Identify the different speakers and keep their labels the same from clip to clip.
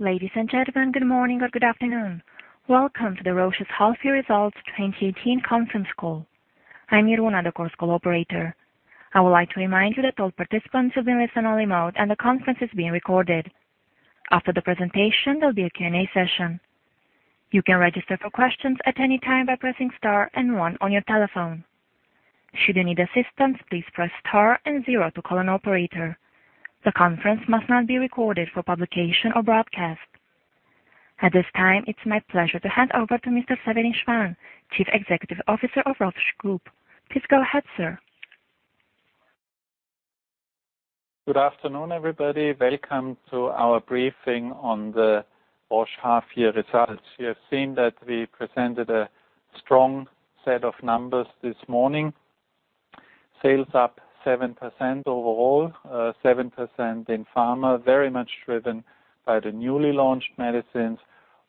Speaker 1: Ladies and gentlemen, good morning or good afternoon. Welcome to the Roche's Half Year Results 2018 conference call. I'm Iruna, the call's operator. I would like to remind you that all participants have been placed on only mode, and the conference is being recorded. After the presentation, there will be a Q&A session. You can register for questions at any time by pressing Star and One on your telephone. Should you need assistance, please press Star and Zero to call an operator. The conference must not be recorded for publication or broadcast. At this time, it's my pleasure to hand over to Mr. Severin Schwan, Chief Executive Officer of Roche Group. Please go ahead, sir.
Speaker 2: Good afternoon, everybody. Welcome to our briefing on the Roche Half Year Results. You have seen that we presented a strong set of numbers this morning. Sales up 7% overall, 7% in Pharma, very much driven by the newly launched medicines.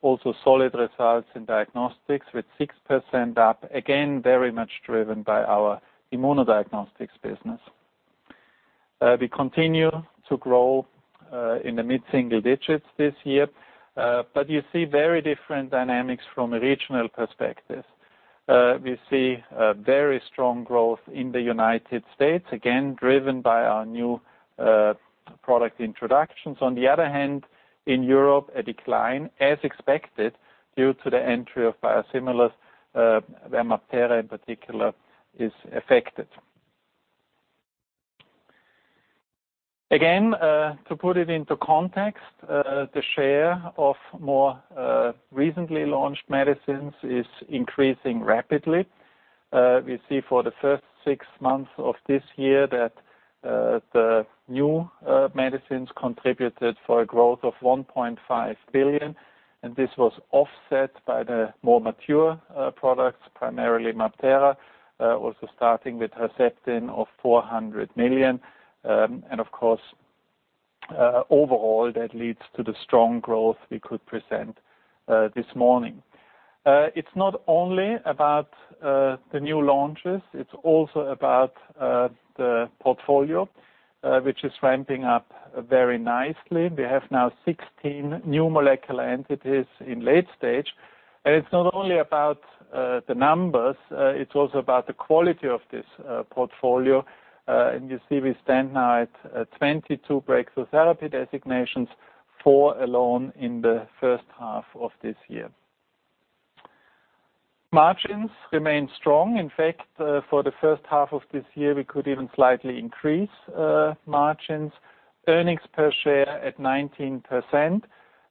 Speaker 2: Also solid results in Diagnostics with 6% up, again, very much driven by our immunodiagnostics business. We continue to grow in the mid-single digits this year. You see very different dynamics from a regional perspective. We see a very strong growth in the U.S., again, driven by our new product introductions. On the other hand, in Europe, a decline as expected due to the entry of biosimilars, where MabThera in particular is affected. Again, to put it into context, the share of more recently launched medicines is increasing rapidly. We see for the first six months of this year that the new medicines contributed for a growth of 1.5 billion, and this was offset by the more mature products, primarily MabThera, also starting with Herceptin of 400 million. Of course, overall, that leads to the strong growth we could present this morning. It's not only about the new launches, it's also about the portfolio which is ramping up very nicely. We have now 16 new molecular entities in late stage. It's not only about the numbers, it's also about the quality of this portfolio. You see we stand now at 22 Breakthrough Therapy designations, four alone in the first half of this year. Margins remain strong. In fact, for the first half of this year, we could even slightly increase margins. Earnings per share at 19%.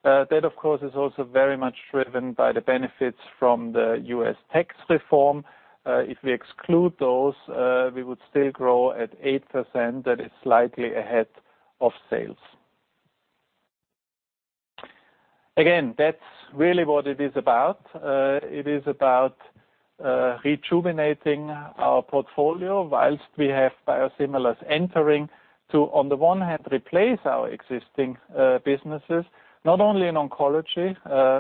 Speaker 2: That, of course, is also very much driven by the benefits from the U.S. tax reform. If we exclude those, we would still grow at 8%. That is slightly ahead of sales. Again, that's really what it is about. It is about rejuvenating our portfolio whilst we have biosimilars entering to, on the one hand, replace our existing businesses, not only in oncology,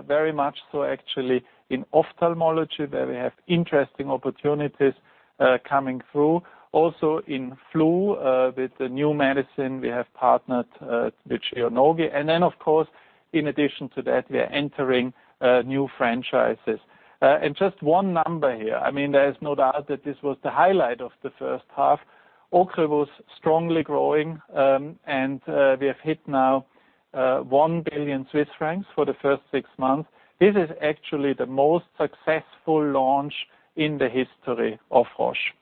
Speaker 2: very much so actually in ophthalmology, where we have interesting opportunities coming through. Also in flu, with the new medicine we have partnered with Shionogi. Then, of course, in addition to that, we are entering new franchises. Just one number here. There is no doubt that this was the highlight of the first half. Ocrevus strongly growing, and we have hit now 1 billion Swiss francs for the first six months. This is actually the most successful launch in the history of Roche.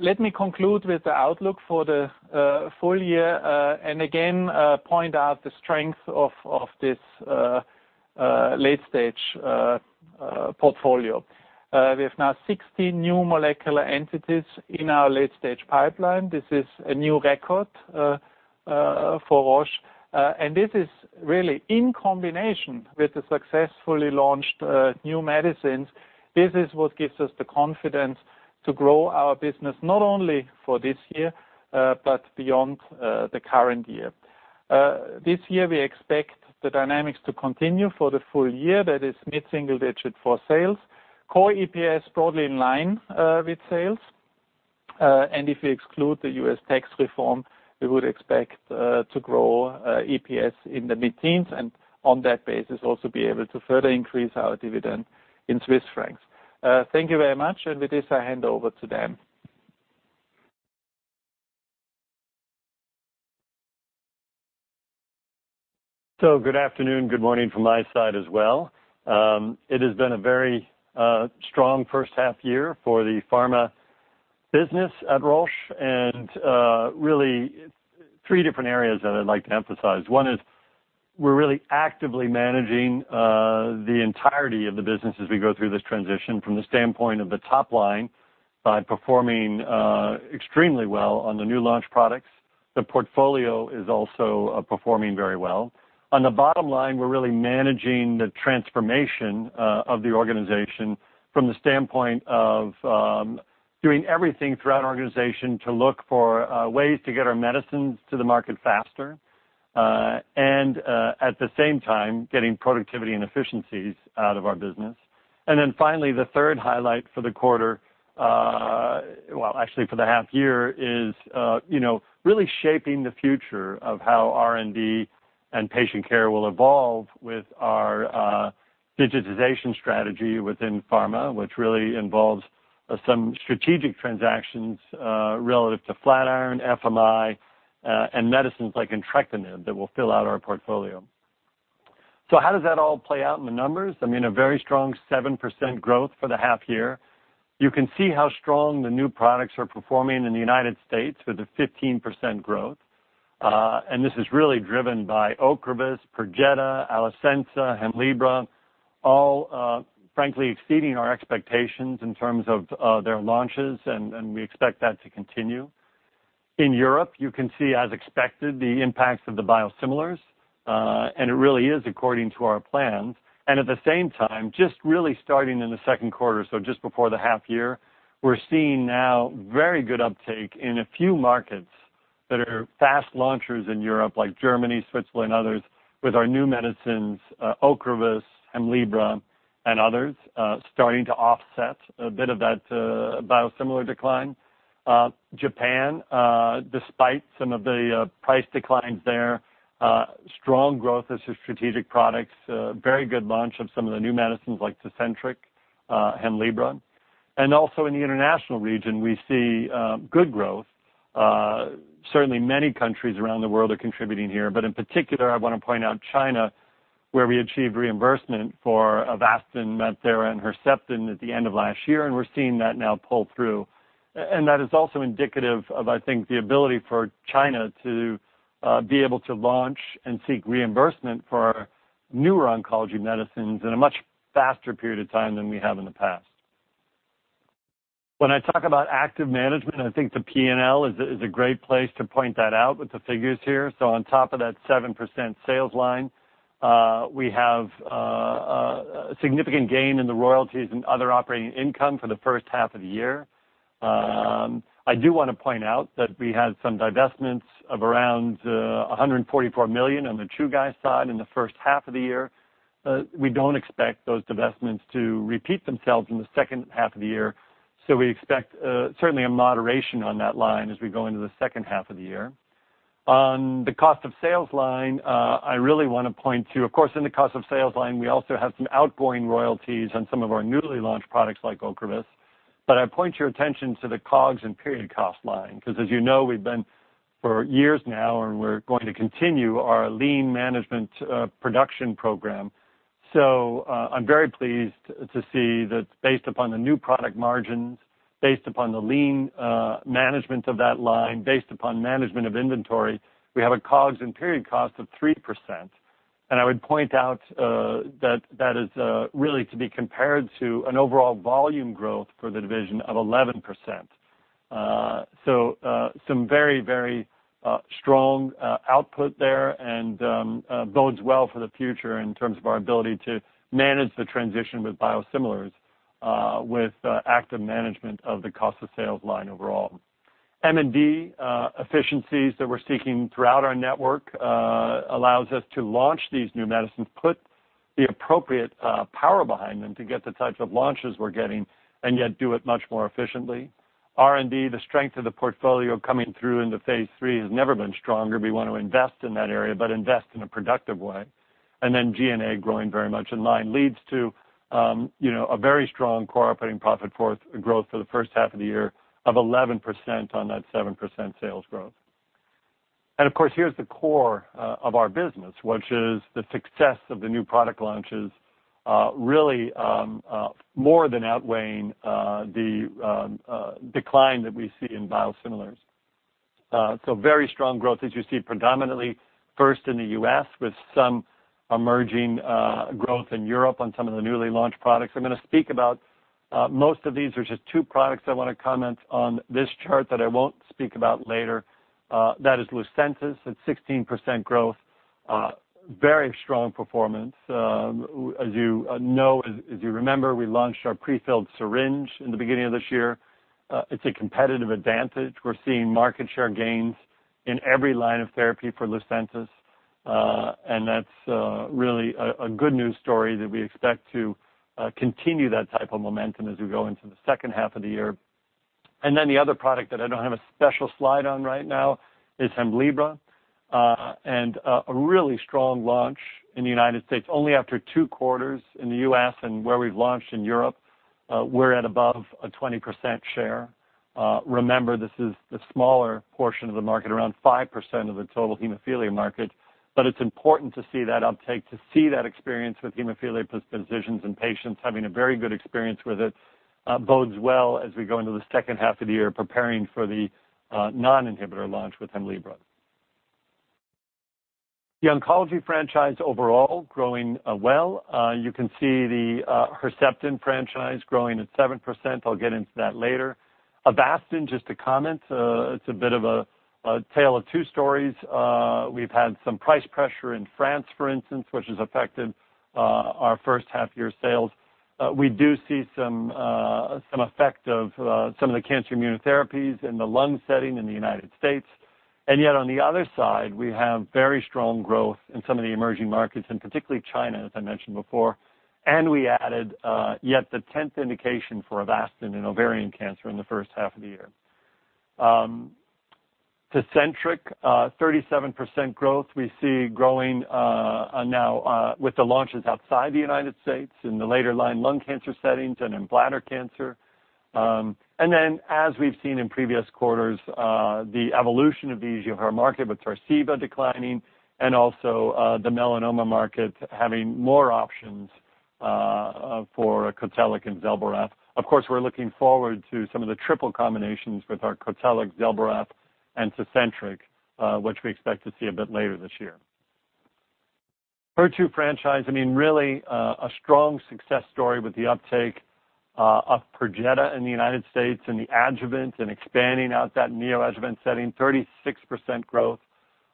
Speaker 2: Let me conclude with the outlook for the full year, again, point out the strength of this late-stage portfolio. We have now 16 new molecular entities in our late-stage pipeline. This is a new record for Roche. This is really in combination with the successfully launched new medicines. This is what gives us the confidence to grow our business not only for this year, but beyond the current year. This year, we expect the dynamics to continue for the full year, that is mid-single digit for sales, core EPS broadly in line with sales. If we exclude the U.S. tax reform, we would expect to grow EPS in the mid-teens, and on that basis, also be able to further increase our dividend in Swiss francs. Thank you very much. With this, I hand over to Dan.
Speaker 3: Good afternoon, good morning from my side as well. It has been a very strong first half year for the Pharma business at Roche really three different areas that I'd like to emphasize. One is we're really actively managing the entirety of the business as we go through this transition from the standpoint of the top line by performing extremely well on the new launch products. The portfolio is also performing very well. On the bottom line, we're really managing the transformation of the organization from the standpoint of doing everything throughout our organization to look for ways to get our medicines to the market faster, at the same time, getting productivity and efficiencies out of our business. Finally, the third highlight for the quarter, well, actually for the half year, is really shaping the future of how R&D and patient care will evolve with our digitization strategy within Pharma, which really involves some strategic transactions relative to Flatiron, FMI, and medicines like entrectinib that will fill out our portfolio. How does that all play out in the numbers? I mean, a very strong 7% growth for the half year. You can see how strong the new products are performing in the U.S. with a 15% growth. This is really driven by Ocrevus, Perjeta, Alecensa, Hemlibra, all frankly exceeding our expectations in terms of their launches, we expect that to continue. In Europe, you can see, as expected, the impacts of the biosimilars. It really is according to our plans. At the same time, just really starting in the second quarter, so just before the half year, we're seeing now very good uptake in a few markets that are fast launchers in Europe, like Germany, Switzerland, others, with our new medicines, Ocrevus, Hemlibra, and others, starting to offset a bit of that biosimilar decline. Japan, despite some of the price declines there, strong growth as to strategic products, very good launch of some of the new medicines like Tecentriq, Hemlibra. Also in the international region, we see good growth. Certainly many countries around the world are contributing here, but in particular, I want to point out China, where we achieved reimbursement for Avastin, MabThera, and Herceptin at the end of last year, we're seeing that now pull through. That is also indicative of, I think, the ability for China to be able to launch and seek reimbursement for newer oncology medicines in a much faster period of time than we have in the past. When I talk about active management, I think the P&L is a great place to point that out with the figures here. On top of that 7% sales line, we have a significant gain in the royalties and other operating income for the first half of the year. I do want to point out that we had some divestments of around 144 million on the Chugai side in the first half of the year. We don't expect those divestments to repeat themselves in the second half of the year, so we expect certainly a moderation on that line as we go into the second half of the year. On the cost of sales line, I really want to point to, of course, in the cost of sales line, we also have some outgoing royalties on some of our newly launched products like Ocrevus. I point your attention to the COGS and period cost line, because as you know, we've been for years now, and we're going to continue our lean management production program. I'm very pleased to see that based upon the new product margins, based upon the lean management of that line, based upon management of inventory, we have a COGS and period cost of 3%. I would point out that that is really to be compared to an overall volume growth for the division of 11%. Some very strong output there and bodes well for the future in terms of our ability to manage the transition with biosimilars with active management of the cost of sales line overall. M&D efficiencies that we're seeking throughout our network allows us to launch these new medicines, put the appropriate power behind them to get the types of launches we're getting, and yet do it much more efficiently. R&D, the strength of the portfolio coming through into phase III has never been stronger. We want to invest in that area, but invest in a productive way. G&A growing very much in line leads to a very strong core operating profit growth for the first half of the year of 11% on that 7% sales growth. Here's the core of our business, which is the success of the new product launches really more than outweighing the decline that we see in biosimilars. Very strong growth, as you see, predominantly first in the U.S., with some emerging growth in Europe on some of the newly launched products. I'm going to speak about most of these. There's just two products I want to comment on this chart that I won't speak about later. That is Lucentis at 16% growth. Very strong performance. As you remember, we launched our pre-filled syringe in the beginning of this year. It's a competitive advantage. We're seeing market share gains in every line of therapy for Lucentis, and that's really a good news story that we expect to continue that type of momentum as we go into the second half of the year. The other product that I don't have a special slide on right now is Hemlibra, a really strong launch in the United States. Only after two quarters in the U.S. and where we've launched in Europe, we're at above a 20% share. Remember, this is the smaller portion of the market, around 5% of the total hemophilia market. It's important to see that uptake, to see that experience with hemophilia physicians and patients having a very good experience with it bodes well as we go into the second half of the year preparing for the non-inhibitor launch with Hemlibra. The oncology franchise overall growing well. You can see the Herceptin franchise growing at 7%. I'll get into that later. Avastin, just to comment, it's a bit of a tale of two stories. We've had some price pressure in France, for instance, which has affected our first half year sales. We do see some effect of some of the cancer immunotherapies in the lung setting in the United States. On the other side, we have very strong growth in some of the emerging markets, particularly China, as I mentioned before. We added, yet the 10th indication for Avastin in ovarian cancer in the first half of the year. Tecentriq, 37% growth we see growing now with the launches outside the United States in the later line lung cancer settings and in bladder cancer. As we've seen in previous quarters, the evolution of the EGFR market, with Tarceva declining and also the melanoma market having more options for Cotellic and Zelboraf. Of course, we're looking forward to some of the triple combinations with our Cotellic, Zelboraf, and Tecentriq, which we expect to see a bit later this year. HER2 franchise, really a strong success story with the uptake of Perjeta in the United States, in the adjuvant, and expanding out that neo-adjuvant setting, 36% growth.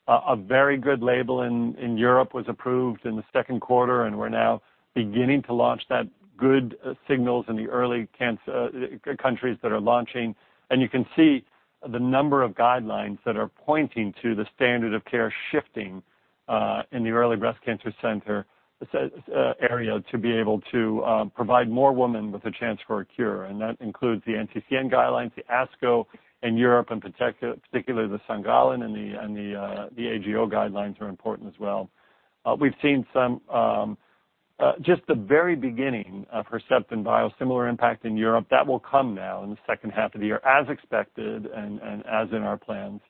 Speaker 3: A very good label in Europe was approved in the second quarter, and we're now beginning to launch that. Good signals in the countries that are launching. You can see the number of guidelines that are pointing to the standard of care shifting in the early breast cancer center area to be able to provide more women with a chance for a cure. That includes the NCCN guidelines, the ASCO, and Europe, in particular, the St. Gallen and the AGO guidelines are important as well. We've seen just the very beginning of Herceptin biosimilar impact in Europe. That will come now in the second half of the year as expected and as in our plans.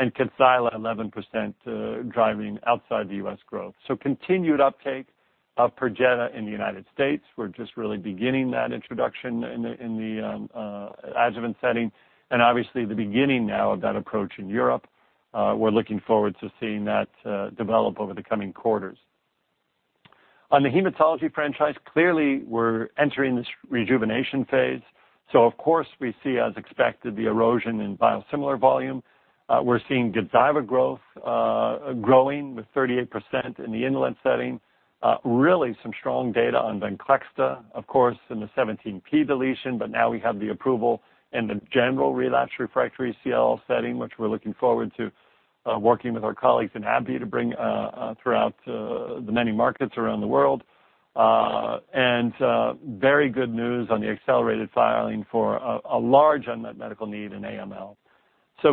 Speaker 3: Kadcyla, 11% driving outside the U.S. growth. Continued uptake of Perjeta in the United States. We're just really beginning that introduction in the adjuvant setting, and obviously the beginning now of that approach in Europe. We're looking forward to seeing that develop over the coming quarters. On the hematology franchise, clearly, we're entering this rejuvenation phase. Of course, we see, as expected, the erosion in biosimilar volume. We're seeing Gazyva growing with 38% in the inland setting. Really some strong data on Venclexta, of course, in the 17p deletion. Now we have the approval in the general relapse refractory CLL setting, which we're looking forward to working with our colleagues in AbbVie to bring throughout the many markets around the world. Very good news on the accelerated filing for a large unmet medical need in AML.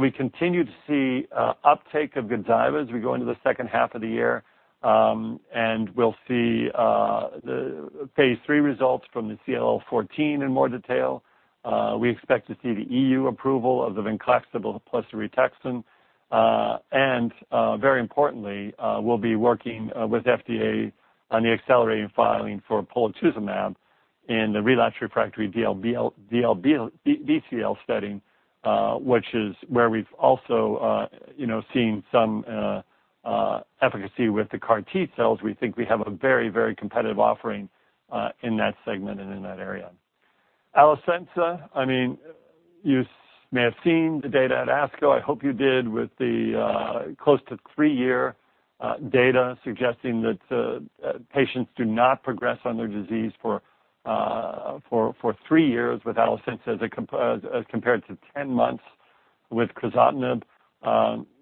Speaker 3: We continue to see uptake of Gazyva as we go into the second half of the year, and we'll see the phase III results from the CLL14 in more detail. We expect to see the EU approval of the Venclexta plus Rituxan. Very importantly, we'll be working with FDA on the accelerated filing for polatuzumab in the relapse refractory MCL setting, which is where we've also seen some efficacy with the CAR T-cells. We think we have a very competitive offering in that segment and in that area. Alecensa, you may have seen the data at ASCO. I hope you did, with the close to 3-year data suggesting that patients do not progress on their disease for 3 years with Alecensa as compared to 10 months with crizotinib.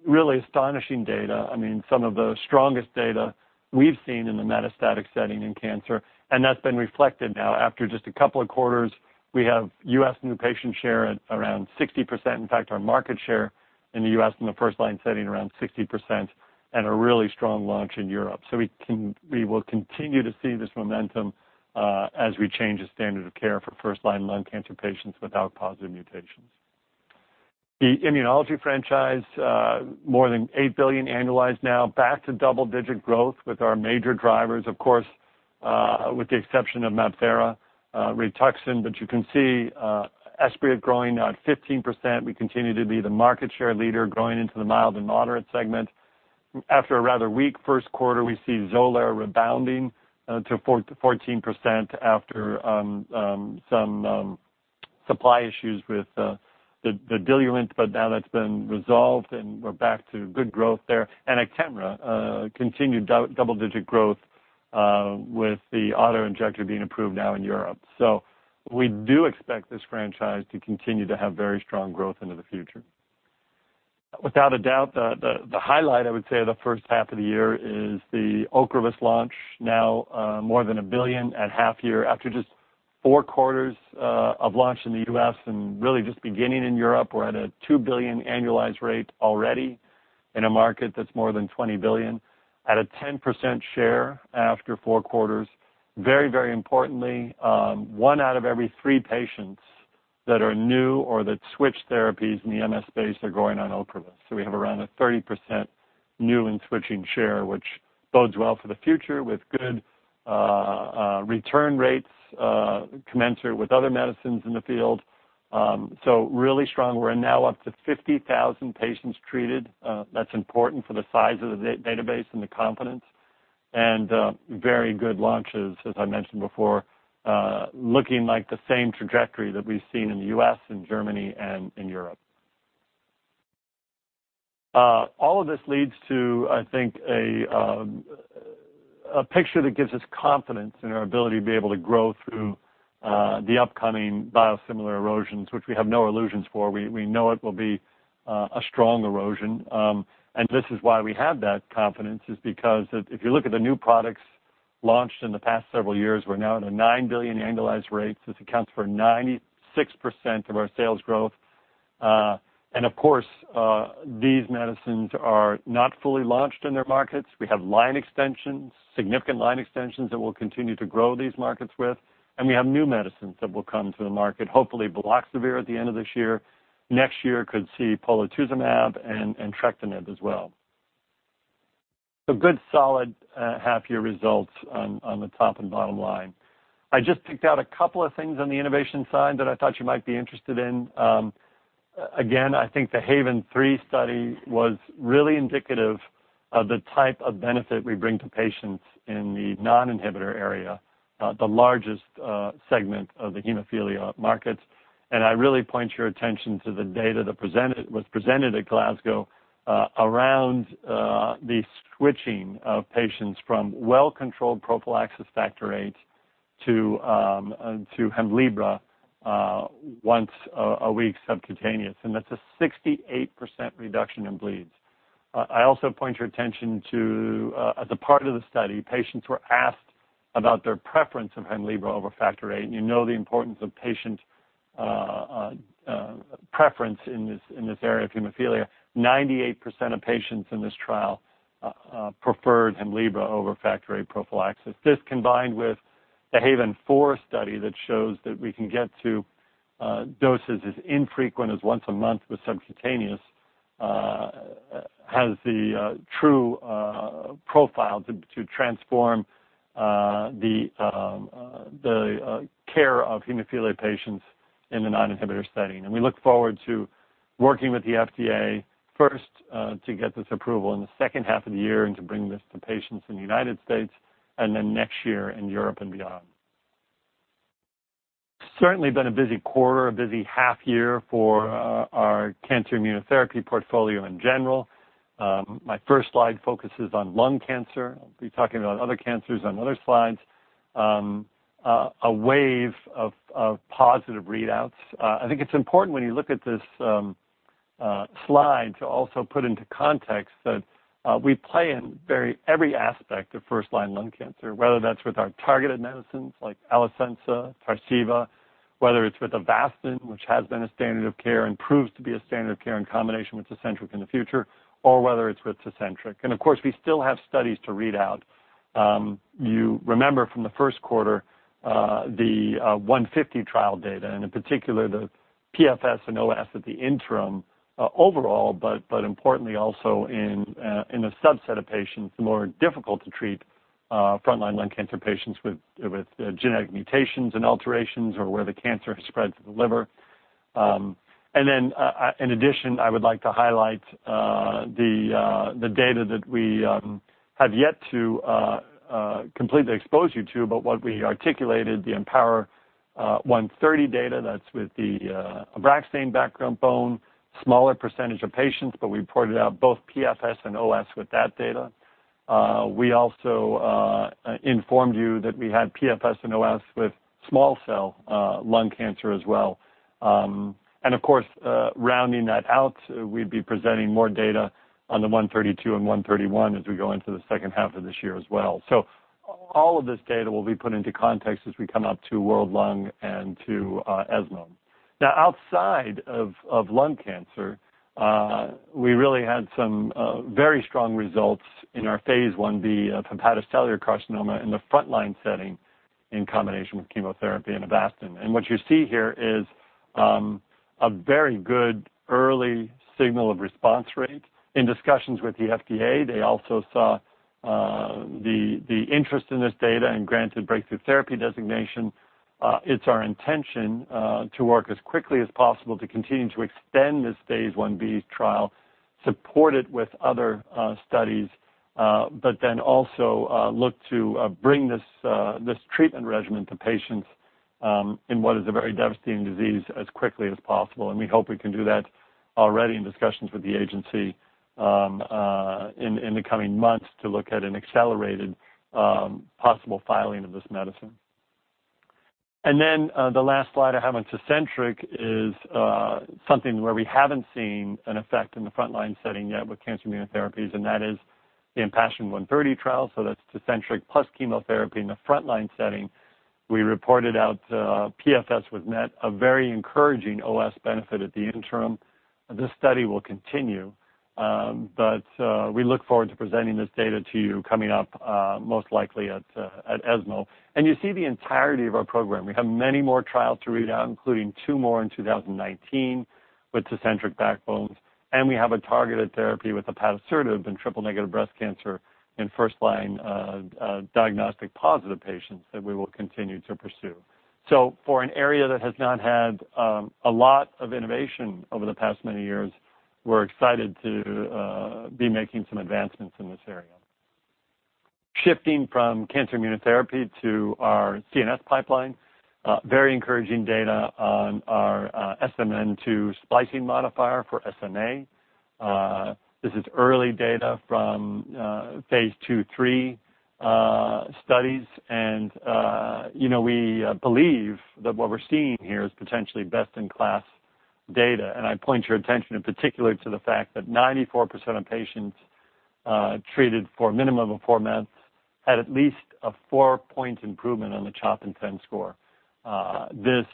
Speaker 3: Really astonishing data. Some of the strongest data we've seen in the metastatic setting in cancer, and that's been reflected now after just a couple of quarters. We have U.S. new patient share at around 60%. In fact, our market share in the U.S. in the first-line setting around 60%, a really strong launch in Europe. We will continue to see this momentum as we change the standard of care for first-line lung cancer patients without positive mutations. The immunology franchise, more than 8 billion annualized now. Back to double-digit growth with our major drivers, of course, with the exception of MabThera, Rituxan. You can see Esbriet growing now at 15%. We continue to be the market share leader growing into the mild and moderate segment. After a rather weak first quarter, we see Xolair rebounding to 14% after some supply issues with the diluent. Now that's been resolved, and we're back to good growth there. Actemra, continued double-digit growth with the auto-injector being approved now in Europe. We do expect this franchise to continue to have very strong growth into the future. Without a doubt, the highlight I would say of the first half of the year is the Ocrevus launch, now more than 1 billion at half year. After just four quarters of launch in the U.S. and really just beginning in Europe, we're at a 2 billion annualized rate already in a market that's more than 20 billion, at a 10% share after four quarters. Very importantly, 1 out of every 3 patients that are new or that switch therapies in the MS space are going on Ocrevus. We have around a 30% new and switching share, which bodes well for the future with good return rates commensurate with other medicines in the field. Really strong. We're now up to 50,000 patients treated. That's important for the size of the database and the confidence. Very good launches, as I mentioned before, looking like the same trajectory that we've seen in the U.S. and Germany and in Europe. All of this leads to, I think, a picture that gives us confidence in our ability to be able to grow through the upcoming biosimilar erosions, which we have no illusions for. We know it will be a strong erosion. This is why we have that confidence, is because if you look at the new products launched in the past several years, we're now at a 9 billion annualized rate. This accounts for 96% of our sales growth. Of course, these medicines are not fully launched in their markets. We have line extensions, significant line extensions that we'll continue to grow these markets with. We have new medicines that will come to the market, hopefully baloxavir at the end of this year, next year could see polatuzumab and entrectinib as well. Good solid half year results on the top and bottom line. I just picked out a couple of things on the innovation side that I thought you might be interested in. I think the HAVEN 3 study was really indicative of the type of benefit we bring to patients in the non-inhibitor area, the largest segment of the hemophilia markets. I really point your attention to the data that was presented at Glasgow around the switching of patients from well-controlled prophylaxis factor VIII to Hemlibra once a week subcutaneous. That's a 68% reduction in bleeds. Also point your attention to as a part of the study, patients were asked about their preference of Hemlibra over factor VIII, and you know the importance of patient preference in this area of hemophilia. 98% of patients in this trial preferred Hemlibra over factor VIII prophylaxis. This combined with the HAVEN 4 study that shows that we can get to doses as infrequent as once a month with subcutaneous has the true profile to transform the care of hemophilia patients in a non-inhibitor setting. We look forward to working with the FDA first to get this approval in the second half of the year and to bring this to patients in the U.S. and then next year in Europe and beyond. Certainly been a busy quarter, a busy half year for our cancer immunotherapy portfolio in general. My first slide focuses on lung cancer. I'll be talking about other cancers on other slides. A wave of positive readouts. I think it's important when you look at this slide to also put into context that we play in every aspect of first-line lung cancer, whether that's with our targeted medicines like Alecensa, Tarceva, whether it's with Avastin, which has been a standard of care and proves to be a standard of care in combination with Tecentriq in the future, or whether it's with Tecentriq. Of course, we still have studies to read out. You remember from the first quarter the IMpower150 trial data and in particular the PFS and OS at the interim overall, but importantly also in a subset of patients more difficult to treat frontline lung cancer patients with genetic mutations and alterations or where the cancer has spread to the liver. In addition, I would like to highlight the data that we have yet to completely expose you to, but what we articulated, the IMpower130 data that's with the ABRAXANE backbone, smaller percentage of patients, but we reported out both PFS and OS with that data. We also informed you that we had PFS and OS with small cell lung cancer as well. Of course rounding that out, we'd be presenting more data on the 132 and 131 as we go into the second half of this year as well. All of this data will be put into context as we come up to World Lung and to ESMO. Outside of lung cancer, we really had some very strong results in our phase I-B for hepatocellular carcinoma in the frontline setting in combination with chemotherapy and Avastin. What you see here is a very good early signal of response rate. In discussions with the FDA, they also saw the interest in this data and granted Breakthrough Therapy designation. It's our intention to work as quickly as possible to continue to extend this phase I-B trial, support it with other studies, also look to bring this treatment regimen to patients in what is a very devastating disease as quickly as possible. We hope we can do that already in discussions with the agency in the coming months to look at an accelerated possible filing of this medicine. The last slide I have on Tecentriq is something where we haven't seen an effect in the frontline setting yet with cancer immunotherapies, and that is the IMpassion130 trial, so that's Tecentriq plus chemotherapy in the frontline setting. We reported out PFS with MET, a very encouraging OS benefit at the interim. This study will continue, but we look forward to presenting this data to you coming up most likely at ESMO. You see the entirety of our program. We have many more trials to read out, including 2 more in 2019 with Tecentriq backbones. We have a targeted therapy with ipatasertib in triple-negative breast cancer in first-line diagnostic positive patients that we will continue to pursue. For an area that has not had a lot of innovation over the past many years, we're excited to be making some advancements in this area. Shifting from cancer immunotherapy to our CNS pipeline. Very encouraging data on our SMN2 splicing modifier for SMA. This is early data from phase II, III studies. We believe that what we're seeing here is potentially best-in-class data. I point your attention in particular to the fact that 94% of patients treated for a minimum of 4 months had at least a 4-point improvement on the CHOP INTEND score. This,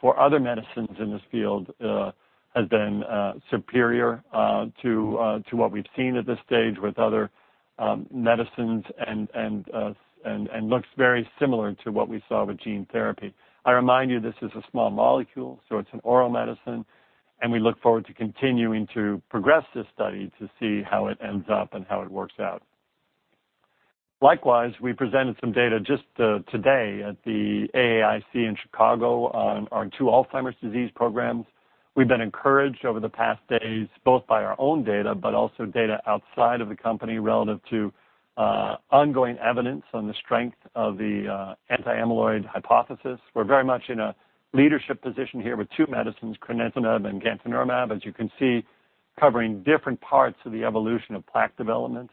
Speaker 3: for other medicines in this field, has been superior to what we've seen at this stage with other medicines and looks very similar to what we saw with gene therapy. I remind you, this is a small molecule, so it's an oral medicine, and we look forward to continuing to progress this study to see how it ends up and how it works out. Likewise, we presented some data just today at the AAIC in Chicago on our 2 Alzheimer's disease programs. We've been encouraged over the past days, both by our own data, but also data outside of the company relative to ongoing evidence on the strength of the anti-amyloid hypothesis. We're very much in a leadership position here with two medicines, crenezumab and gantenerumab, as you can see, covering different parts of the evolution of plaque development.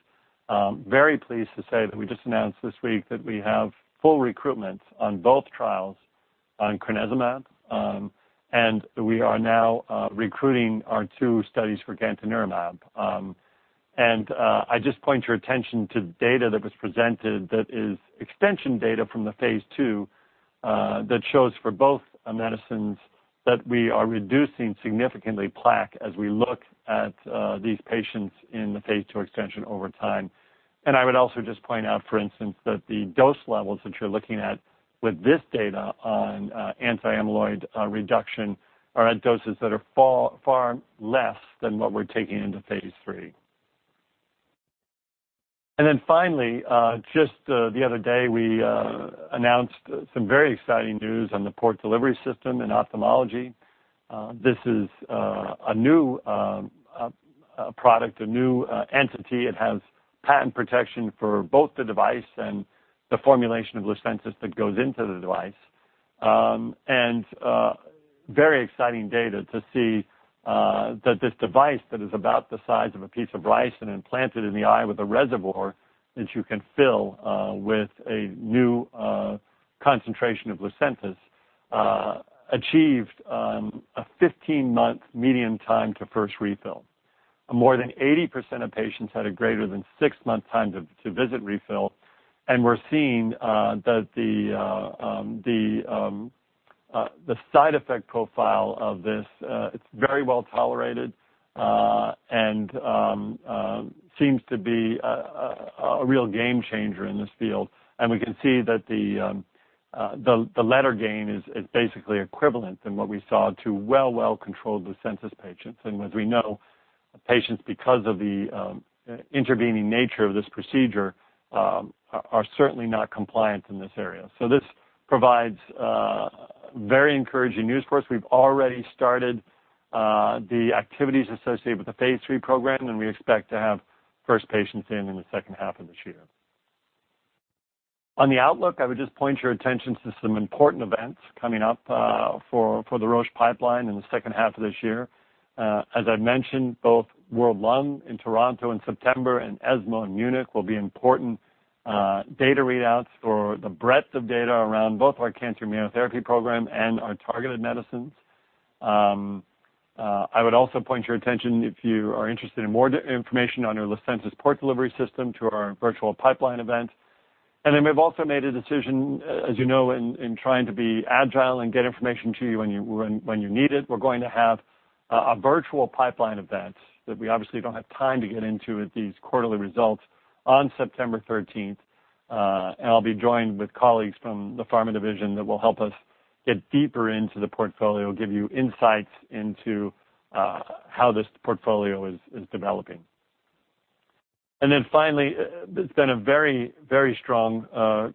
Speaker 3: Very pleased to say that we just announced this week that we have full recruitment on both trials on crenezumab, we are now recruiting our two studies for gantenerumab. I just point your attention to data that was presented that is extension data from the phase II that shows for both medicines that we are reducing significantly plaque as we look at these patients in the phase II extension over time. I would also just point out, for instance, that the dose levels that you're looking at with this data on anti-amyloid reduction are at doses that are far less than what we're taking into phase III. Finally, just the other day, we announced some very exciting news on the Port Delivery System in ophthalmology. This is a new product, a new entity. It has patent protection for both the device and the formulation of Lucentis that goes into the device. Very exciting data to see that this device that is about the size of a piece of rice and implanted in the eye with a reservoir that you can fill with a new concentration of Lucentis achieved a 15-month median time to first refill. More than 80% of patients had a greater than six-month time to visit refill. We're seeing that the side effect profile of this, it's very well tolerated and seems to be a real game changer in this field. We can see that the letter gain is basically equivalent than what we saw to well-controlled Lucentis patients. As we know, patients, because of the intervening nature of this procedure, are certainly not compliant in this area. This provides very encouraging news for us. We've already started the activities associated with the phase III program, we expect to have first patients in in the second half of this year. On the outlook, I would just point your attention to some important events coming up for the Roche pipeline in the second half of this year. As I mentioned, both World Lung in Toronto in September and ESMO in Munich will be important data readouts for the breadth of data around both our cancer immunotherapy program and our targeted medicines. I would also point your attention, if you are interested in more information on our Lucentis Port Delivery System, to our virtual pipeline event. We've also made a decision, as you know, in trying to be agile and get information to you when you need it. We're going to have a virtual pipeline event that we obviously don't have time to get into at these quarterly results on September 13th. I'll be joined with colleagues from the pharma division that will help us get deeper into the portfolio, give you insights into how this portfolio is developing. Finally, it's been a very strong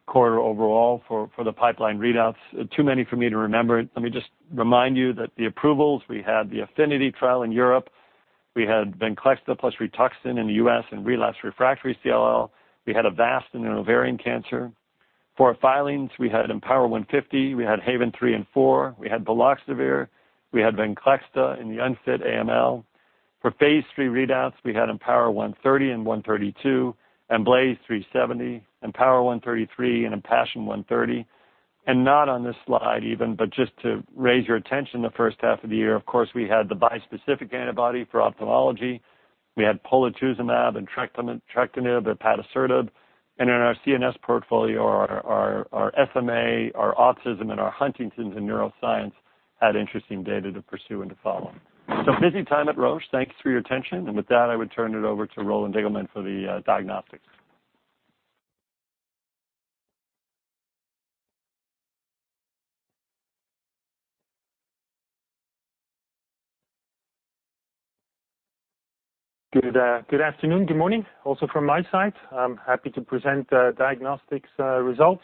Speaker 3: quarter overall for the pipeline readouts. Too many for me to remember it. Let me just remind you that the approvals, we had the APHINITY trial in Europe. We had Venclexta plus Rituxan in the U.S. in relapsed/refractory CLL. We had Avastin in ovarian cancer. For filings, we had IMpower150, we had HAVEN 3 and 4, we had baloxavir, we had Venclexta in the unfit AML. For phase III readouts, we had IMpower130 and IMpower132, IMblaze370, IMpower133, and IMpassion130. Not on this slide even, but just to raise your attention, the first half of the year, of course, we had the bispecific antibody for ophthalmology. We had polatuzumab and trastuzumab and patisiran. In our CNS portfolio, our SMA, our autism, and our Huntington's and neuroscience had interesting data to pursue and to follow. Busy time at Roche. Thanks for your attention. With that, I would turn it over to Roland Diggelmann for the Diagnostics.
Speaker 4: Good afternoon, good morning also from my side. I'm happy to present Diagnostics results.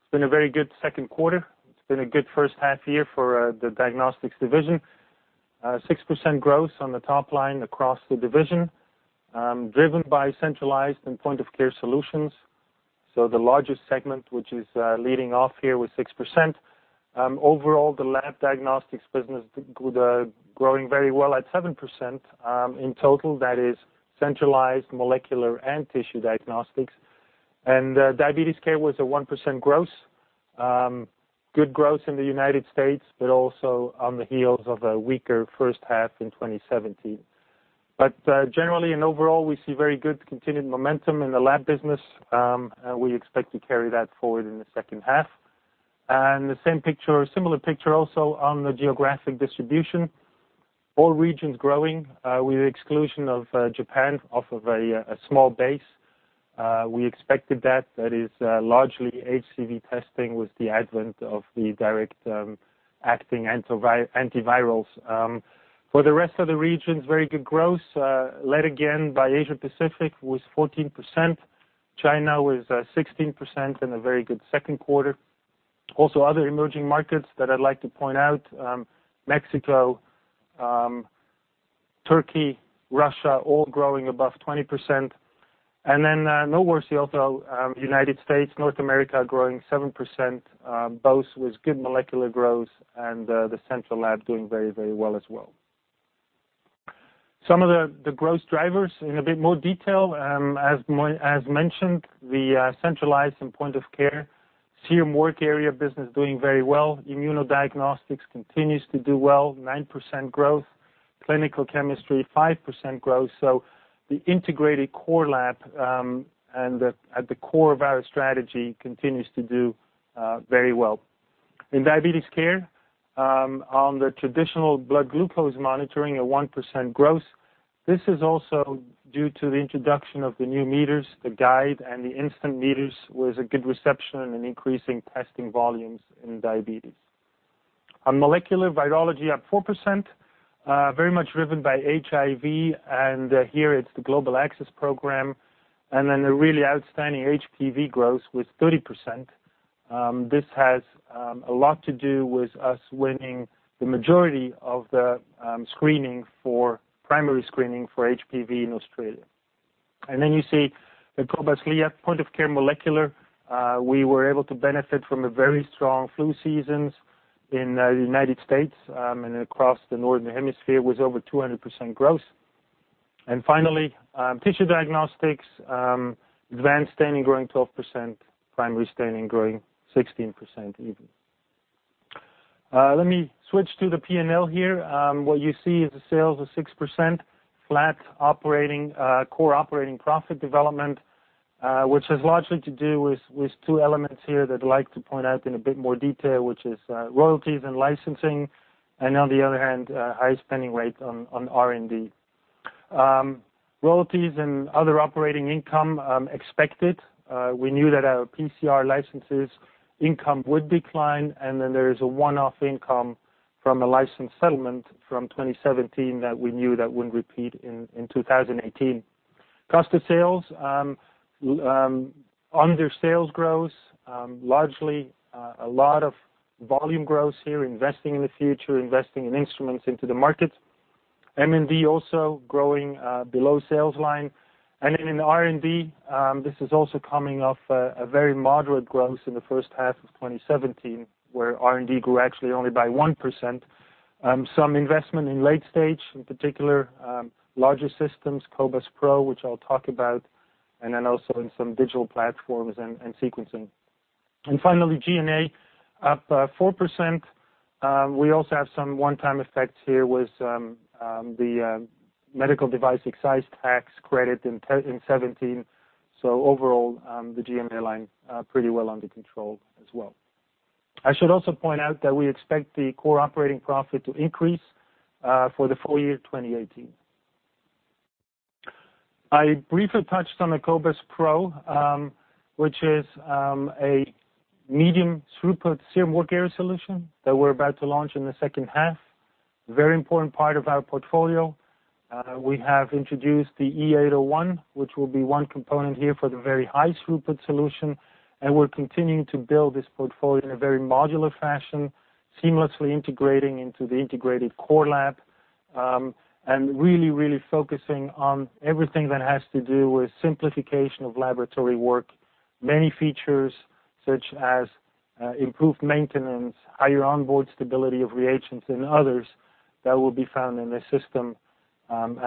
Speaker 4: It's been a very good second quarter. It's been a good first half year for the Diagnostics division. 6% growth on the top line across the division driven by centralized and point-of-care solutions. The largest segment, which is leading off here with 6%. Overall, the lab diagnostics business growing very well at 7%. In total, that is centralized molecular and tissue diagnostics. Diabetes care was a 1% growth. Good growth in the U.S., but also on the heels of a weaker first half in 2017. But generally and overall, we see very good continued momentum in the lab business. We expect to carry that forward in the second half. A similar picture also on the geographic distribution. All regions growing, with the exclusion of Japan off of a small base. We expected that. That is largely HCV testing with the advent of the direct-acting antivirals. For the rest of the regions, very good growth, led again by Asia-Pacific with 14%. China with 16% and a very good second quarter. Also other emerging markets that I'd like to point out, Mexico, Turkey, Russia, all growing above 20%. Then nowhere also, U.S., North America growing 7%, both with good molecular growth and the central lab doing very well as well. Some of the growth drivers in a bit more detail. As mentioned, the centralized and point-of-care serum work area business doing very well. Immunodiagnostics continues to do well, 9% growth. Clinical chemistry, 5% growth. The integrated core lab at the core of our strategy continues to do very well. In diabetes care, on the traditional blood glucose monitoring, a 1% growth. This is also due to the introduction of the new meters, the Guide and the Instant meters, with a good reception and increasing testing volumes in diabetes. On molecular virology up 4%, very much driven by HIV, and here it's the global access program. Then a really outstanding HPV growth with 30%. This has a lot to do with us winning the majority of the primary screening for HPV in Australia. Then you see the cobas Liat point-of-care molecular. We were able to benefit from a very strong flu seasons in the U.S. and across the northern hemisphere with over 200% growth. Finally, tissue diagnostics. Advanced staining growing 12%, primary staining growing 16% even. Let me switch to the P&L here. What you see is the sales of 6% flat core operating profit development, which has largely to do with two elements here that I'd like to point out in a bit more detail, which is royalties and licensing. On the other hand, high spending rate on R&D. Royalties and other operating income expected. We knew that our PCR licenses income would decline, then there is a one-off income from a license settlement from 2017 that we knew that wouldn't repeat in 2018. Cost of sales. Under sales growth, largely a lot of volume growth here, investing in the future, investing in instruments into the market. M&D also growing below sales line. In R&D, this is also coming off a very moderate growth in the first half of 2017, where R&D grew actually only by 1%. Some investment in late stage, in particular, larger systems, cobas PRO, which I'll talk about, then also in some digital platforms and sequencing. Finally, G&A up 4%. We also have some one-time effects here with the medical device excise tax credit in 2017. Overall, the G&A line pretty well under control as well. I should also point out that we expect the core operating profit to increase for the full year 2018. I briefly touched on the cobas PRO, which is a medium throughput serum work area solution that we're about to launch in the second half. Very important part of our portfolio. We have introduced the E801, which will be one component here for the very high throughput solution. We're continuing to build this portfolio in a very modular fashion, seamlessly integrating into the integrated core lab. Really focusing on everything that has to do with simplification of laboratory work. Many features, such as improved maintenance, higher onboard stability of reagents and others that will be found in this system.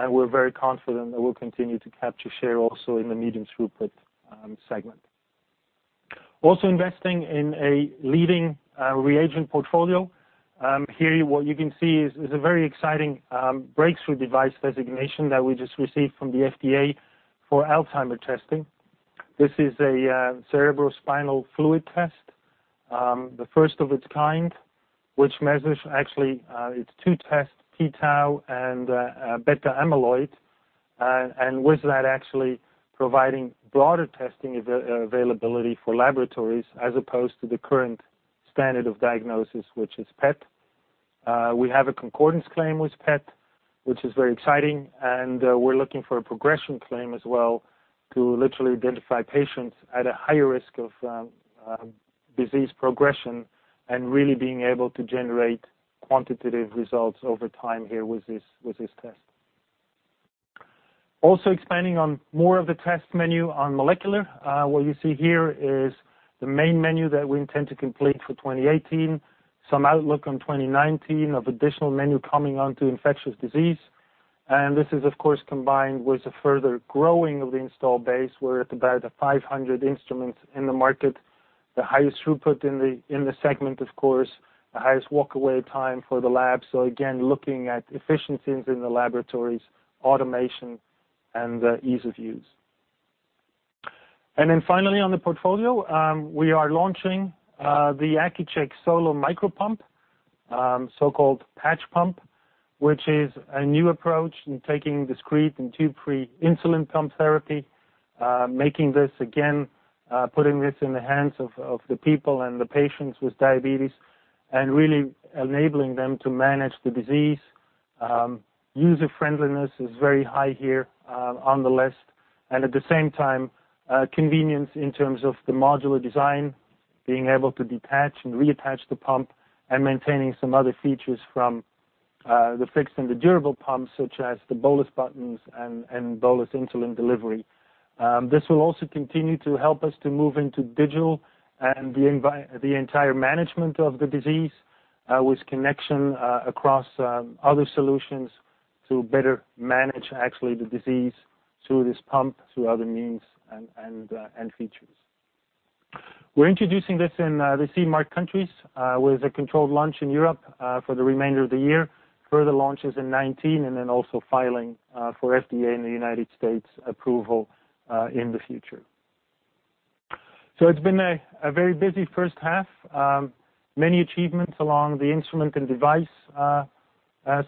Speaker 4: We're very confident that we'll continue to capture share also in the medium throughput segment. Also investing in a leading reagent portfolio. Here, what you can see is a very exciting breakthrough device designation that we just received from the FDA for Alzheimer testing. This is a cerebrospinal fluid test, the first of its kind, which measures actually it's two tests, p-tau and beta-amyloid. With that, actually providing broader testing availability for laboratories as opposed to the current standard of diagnosis, which is PET. We have a concordance claim with PET, which is very exciting, we're looking for a progression claim as well to literally identify patients at a higher risk of disease progression and really being able to generate quantitative results over time here with this test. Also expanding on more of the test menu on molecular. What you see here is the main menu that we intend to complete for 2018. Some outlook on 2019 of additional menu coming onto infectious disease. This is, of course, combined with the further growing of the install base. We're at about 500 instruments in the market, the highest throughput in the segment, of course. The highest walkaway time for the lab. Again, looking at efficiencies in the laboratories, automation, and ease of use. Finally on the portfolio, we are launching the Accu-Chek Solo micropump system, so-called patch pump, which is a new approach in taking discrete and tube-free insulin pump therapy. Making this again, putting this in the hands of the people and the patients with diabetes and really enabling them to manage the disease. User-friendliness is very high here on the list. At the same time, convenience in terms of the modular design, being able to detach and reattach the pump and maintaining some other features from the fixed and the durable pumps, such as the bolus buttons and bolus insulin delivery. This will also continue to help us to move into digital and the entire management of the disease, with connection across other solutions to better manage actually the disease through this pump, through other means and features. We're introducing this in the CE mark countries, with a controlled launch in Europe for the remainder of the year. Further launches in 2019. Also filing for FDA in the United States approval in the future. So it's been a very busy first half. Many achievements along the instrument and device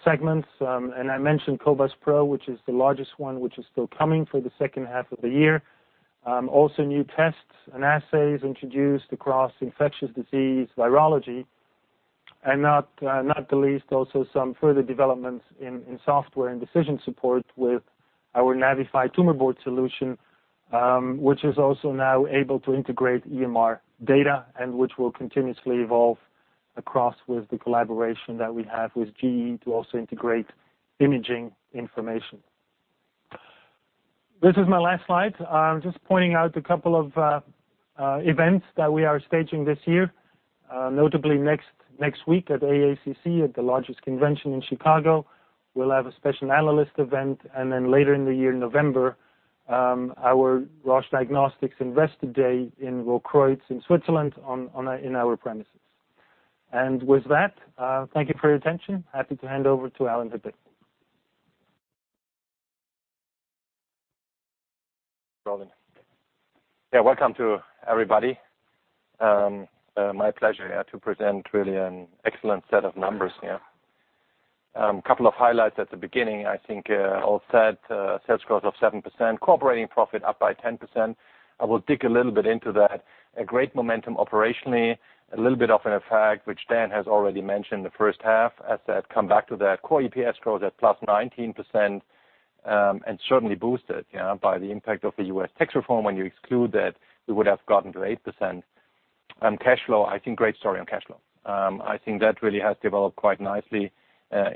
Speaker 4: segments. I mentioned cobas PRO, which is the largest one, which is still coming for the second half of the year. Not the least also some further developments in software and decision support with our NAVIFY Tumor Board solution, which is also now able to integrate EMR data and which will continuously evolve across with the collaboration that we have with GE to also integrate imaging information. This is my last slide. I'm just pointing out a couple of events that we are staging this year. Notably next week at AACC at the largest convention in Chicago, we'll have a special analyst event. Later in the year in November, our Roche Diagnostics Investor Day in Rotkreuz in Switzerland on our premises. With that, thank you for your attention. Happy to hand over to Alan Hippe.
Speaker 5: Roland. Welcome to everybody. My pleasure here to present really an excellent set of numbers here. Couple of highlights at the beginning. I think all set. Sales growth of 7%. Operating profit up by 10%. I will dig a little bit into that. A great momentum operationally, a little bit of an effect, which Dan has already mentioned the first half, as I come back to that core EPS growth at +19%, and certainly boosted by the impact of the U.S. tax reform. When you exclude that, we would have gotten to 8%. Cash flow. I think great story on cash flow. I think that really has developed quite nicely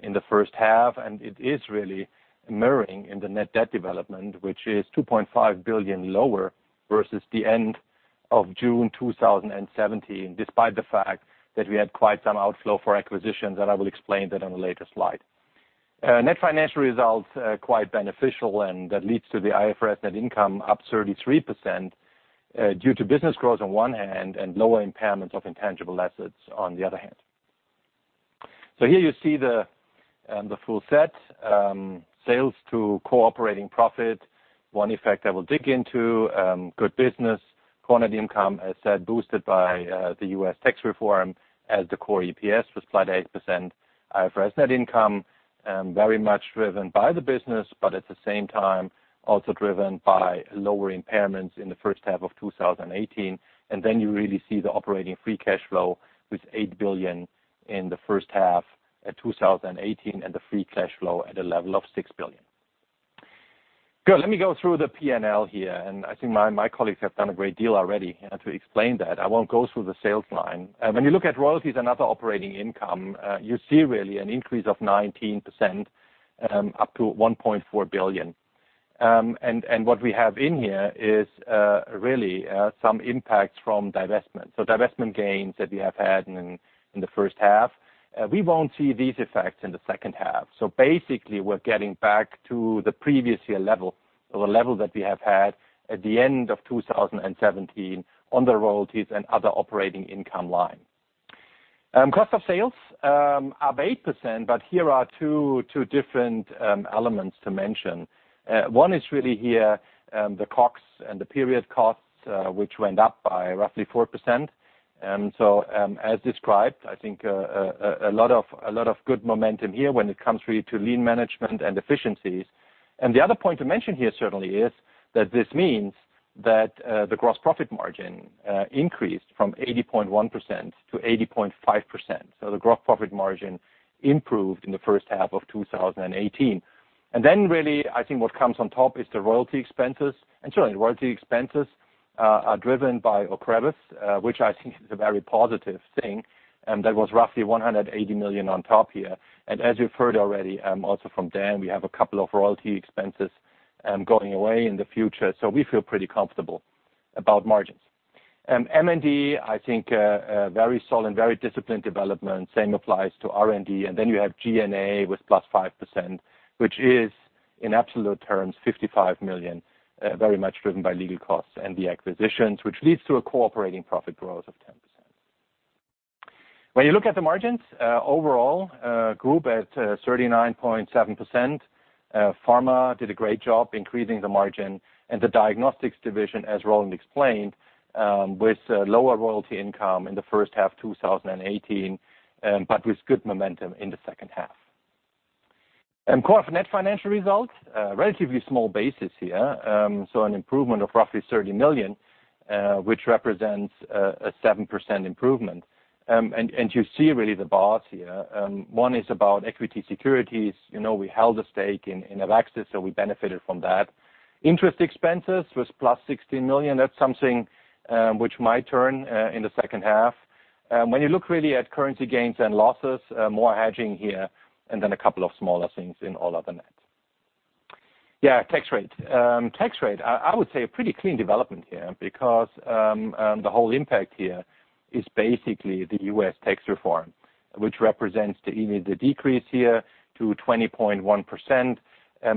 Speaker 5: in the first half. It is really mirroring in the net debt development, which is 2.5 billion lower versus the end of June 2017, despite the fact that we had quite some outflow for acquisitions, and I will explain that on a later slide. Net financial results are quite beneficial. That leads to the IFRS net income up 33%, due to business growth on one hand, and lower impairments of intangible assets on the other hand. Here you see the full set, sales to cooperating profit. One effect I will dig into, good business quantity income, as said, boosted by the U.S. tax reform as the core EPS was flat 8%. IFRS net income, very much driven by the business, but at the same time, also driven by lower impairments in the first half of 2018. You really see the operating free cash flow with 8 billion in the first half at 2018, and the free cash flow at a level of 6 billion. Good. Let me go through the P&L here. I think my colleagues have done a great deal already here to explain that. I won't go through the sales line. When you look at royalties and other operating income, you see really an increase of 19%, up to 1.4 billion. What we have in here is really some impacts from divestment. Divestment gains that we have had in the first half. We won't see these effects in the second half. Basically we're getting back to the previous year level or the level that we have had at the end of 2017 on the royalties and other operating income line. Cost of sales up 8%, but here are two different elements to mention. One is really here, the COGS and the period costs, which went up by roughly 4%. As described, I think a lot of good momentum here when it comes really to lean management and efficiencies. The other point to mention here certainly is that this means that the gross profit margin increased from 80.1%-80.5%. The gross profit margin improved in the first half of 2018. Really I think what comes on top is the royalty expenses. Certainly the royalty expenses are driven by Ocrevus, which I think is a very positive thing. That was roughly 180 million on top here. As you've heard already, also from Dan, we have a couple of royalty expenses going away in the future, so we feel pretty comfortable about margins. M&D, I think a very solid, very disciplined development. Same applies to R&D. You have G&A with +5%, which is in absolute terms, 55 million, very much driven by legal costs and the acquisitions, which leads to a cooperating profit growth of 10%. When you look at the margins, overall group at 39.7%. Pharma did a great job increasing the margin and the Diagnostics division, as Roland explained, with lower royalty income in the first half 2018, but with good momentum in the second half. Core net financial results, relatively small basis here. An improvement of roughly 30 million, which represents a 7% improvement. You see really the bars here. One is about equity securities. We held a stake in AveXis, so we benefited from that. Interest expenses was +16 million. That's something which might turn in the second half. When you look really at currency gains and losses, more hedging here, then a couple of smaller things in all other net. Tax rate. Tax rate, I would say a pretty clean development here because the whole impact here is basically the U.S. tax reform, which represents the decrease here to 20.1%.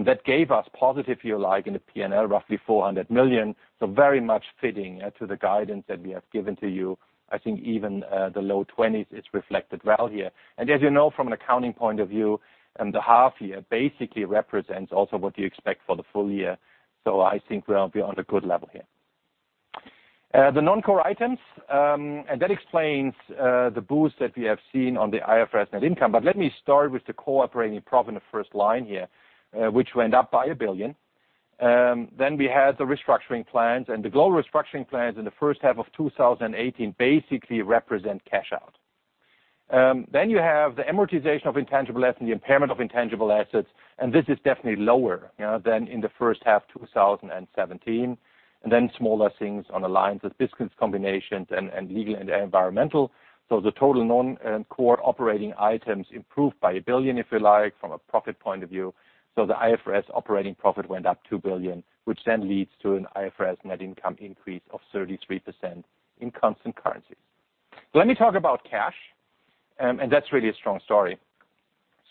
Speaker 5: That gave us positive, if you like, in the P&L roughly 400 million. Very much fitting to the guidance that we have given to you. I think even the low 20s is reflected well here. As you know from an accounting point of view, the half year basically represents also what you expect for the full year. I think we'll be on a good level here. The non-core items, that explains the boost that we have seen on the IFRS net income. Let me start with the core operating profit in the first line here, which went up by 1 billion. We had the restructuring plans and the global restructuring plans in the first half of 2018 basically represent cash out. You have the amortization of intangible assets and the impairment of intangible assets. This is definitely lower than in the first half 2017. Smaller things on the lines of business combinations and legal and environmental. The total non-core operating items improved by 1 billion, if you like, from a profit point of view. The IFRS operating profit went up 2 billion, which leads to an IFRS net income increase of 33% in constant currencies. Let me talk about cash, that's really a strong story.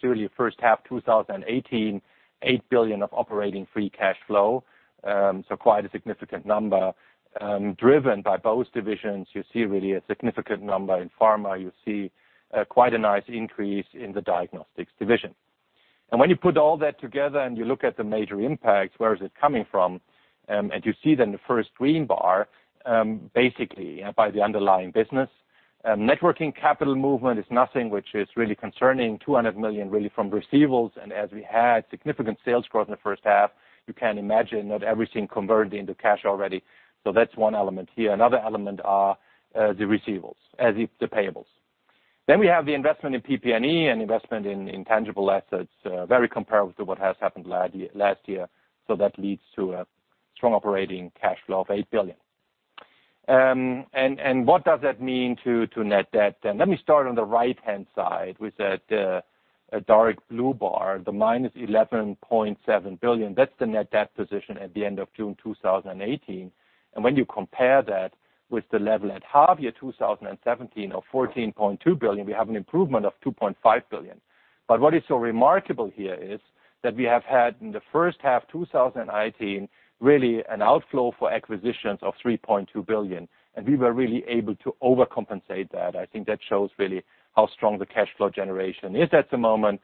Speaker 5: In your first half 2018, 8 billion of operating free cash flow. Quite a significant number driven by both divisions. You see really a significant number in pharma. You see quite a nice increase in the Diagnostics division. When you put all that together and you look at the major impacts, where is it coming from? You see then the first green bar basically by the underlying business. Networking capital movement is nothing which is really concerning. 200 million really from receivables. As we had significant sales growth in the first half, you can imagine not everything converted into cash already. That's one element here. Another element are the receivables as if the payables. We have the investment in PP&E and investment in intangible assets, very comparable to what has happened last year. That leads to a strong operating cash flow of 8 billion. What does that mean to net debt then? Let me start on the right-hand side with that dark blue bar, the minus 11.7 billion. That's the net debt position at the end of June 2018. When you compare that with the level at half year 2017 of 14.2 billion, we have an improvement of 2.5 billion. What is so remarkable here is that we have had in the first half 2018, really an outflow for acquisitions of 3.2 billion. We were really able to overcompensate that. I think that shows really how strong the cash flow generation is at the moment.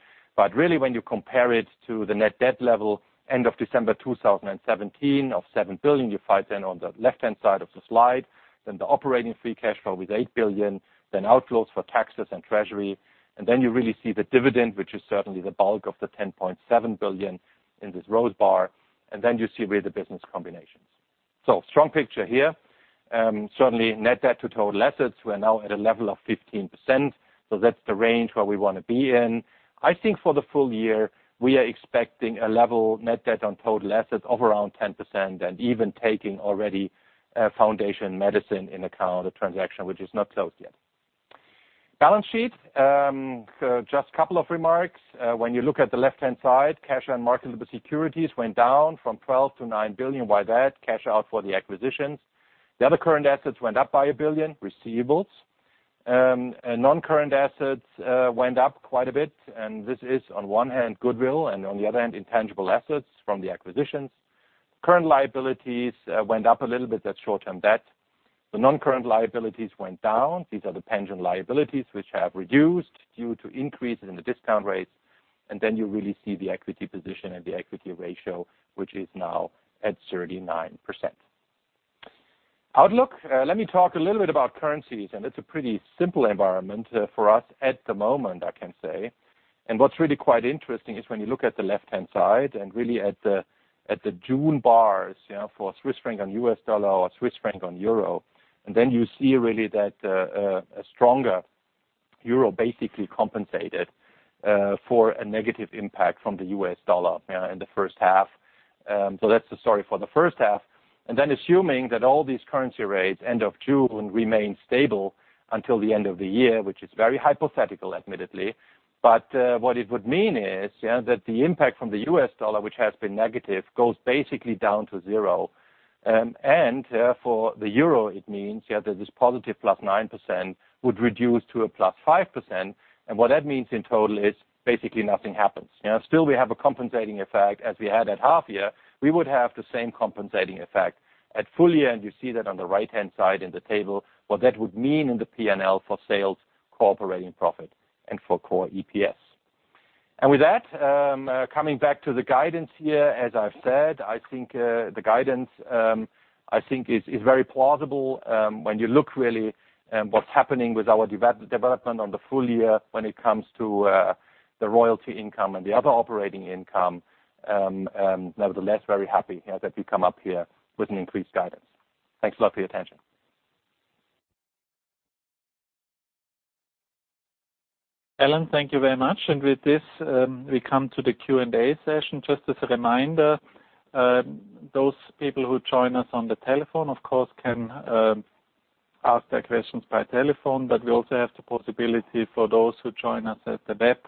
Speaker 5: Really when you compare it to the net debt level end of December 2017 of 7 billion, you find then on the left-hand side of the slide, then the operating free cash flow with 8 billion, then outflows for taxes and treasury. You really see the dividend, which is certainly the bulk of the 10.7 billion in this rose bar. You see really the business combinations. Strong picture here. Certainly net debt to total assets, we are now at a level of 15%, so that's the range where we want to be in. I think for the full year, we are expecting a level net debt on total assets of around 10%, and even taking already Foundation Medicine into account, a transaction which is not closed yet. Balance sheet. Just couple of remarks. When you look at the left-hand side, cash and marketable securities went down from 12 billion to 9 billion. Why that? Cash out for the acquisitions. The other current assets went up by 1 billion, receivables. Non-current assets went up quite a bit. This is on one hand goodwill and on the other hand intangible assets from the acquisitions. Current liabilities went up a little bit. That's short-term debt. The non-current liabilities went down. These are the pension liabilities which have reduced due to increases in the discount rates. You really see the equity position and the equity ratio, which is now at 39%. Outlook. Let me talk a little bit about currencies, it's a pretty simple environment for us at the moment, I can say. What's really quite interesting is when you look at the left-hand side and really at the June bars for Swiss franc and US dollar or Swiss franc on Euro. You see really that a stronger Euro basically compensated for a negative impact from the US dollar in the first half. That's the story for the first half. Assuming that all these currency rates end of June remain stable until the end of the year, which is very hypothetical, admittedly, but what it would mean is that the impact from the US dollar, which has been negative, goes basically down to zero. Therefore, the Euro, it means that this positive +9% would reduce to a +5%. What that means in total is basically nothing happens. Still we have a compensating effect as we had at half year, we would have the same compensating effect at full year, and you see that on the right-hand side in the table, what that would mean in the P&L for sales, operating profit, and for core EPS. With that, coming back to the guidance here, as I've said, I think the guidance is very plausible, when you look really what's happening with our development on the full year when it comes to the royalty income and the other operating income. Nevertheless, very happy that we come up here with an increased guidance. Thanks a lot for your attention.
Speaker 2: Alan, thank you very much. With this, we come to the Q&A session. Just as a reminder, those people who join us on the telephone, of course, can ask their questions by telephone, but we also have the possibility for those who join us at the web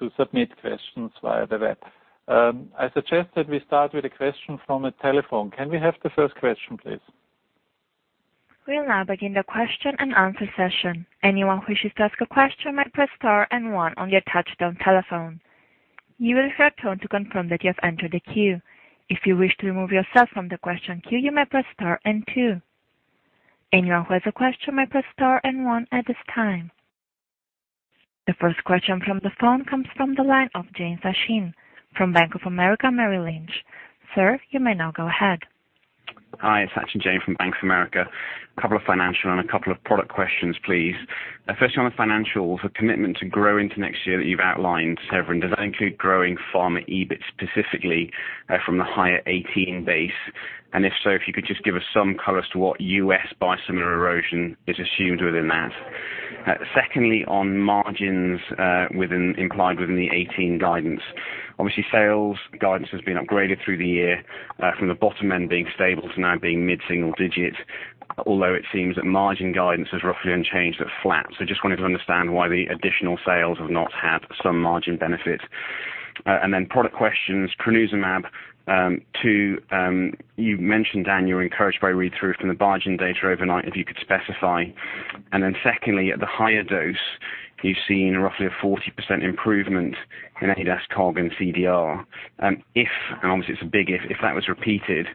Speaker 2: to submit questions via the web. I suggest that we start with a question from a telephone. Can we have the first question, please?
Speaker 1: We'll now begin the question and answer session. Anyone who wishes to ask a question might press star and one on your touchtone telephone. You will hear a tone to confirm that you have entered the queue. If you wish to remove yourself from the question queue, you may press star and two. Anyone who has a question may press star and one at this time. The first question from the phone comes from the line of Sachin Jain from Bank of America Merrill Lynch. Sir, you may now go ahead.
Speaker 6: Hi, it's Sachin Jain from Bank of America. A couple of financial and a couple of product questions, please. First, on the financials, a commitment to grow into next year that you've outlined, Severin, does that include growing pharma EBIT specifically from the higher 2018 base? If so, if you could just give us some color as to what U.S. biosimilar erosion is assumed within that. Secondly, on margins implied within the 2018 guidance. Obviously, sales guidance has been upgraded through the year from the bottom end being stable to now being mid-single digits, although it seems that margin guidance is roughly unchanged at flat. Just wanted to understand why the additional sales have not had some margin benefit. Then product questions, crenezumab, 2, you mentioned, Dan, you were encouraged by read-through from the Biogen data overnight, if you could specify. Secondly, at the higher dose, you've seen roughly a 40% improvement in ADAS-Cog and CDR. If, and obviously it's a big if that was repeated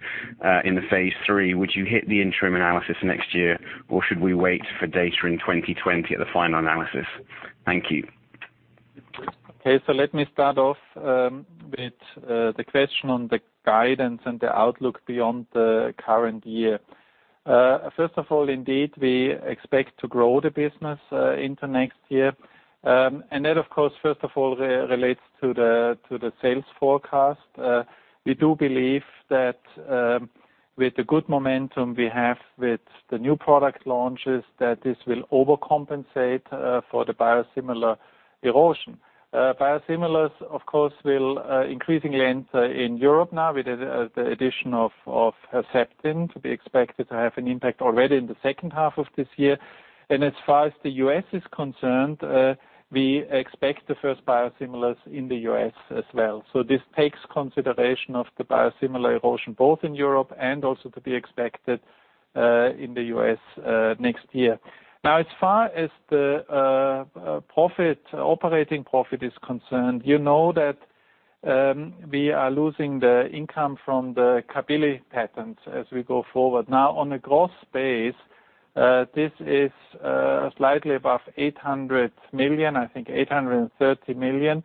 Speaker 6: in the phase III, would you hit the interim analysis next year, or should we wait for data in 2020 at the final analysis? Thank you.
Speaker 2: Okay, let me start off with the question on the guidance and the outlook beyond the current year. First of all, indeed, we expect to grow the business into next year. That, of course, first of all, relates to the sales forecast. We do believe that with the good momentum we have with the new product launches, that this will overcompensate for the biosimilar erosion. Biosimilars, of course, will increasingly enter in Europe now with the addition of Herceptin to be expected to have an impact already in the second half of this year. As far as the U.S. is concerned, we expect the first biosimilars in the U.S. as well. This takes consideration of the biosimilar erosion, both in Europe and also to be expected in the U.S. next year. As far as the operating profit is concerned, you know that we are losing the income from the Cabilly patent as we go forward. On a gross base, this is slightly above 800 million, I think 830 million.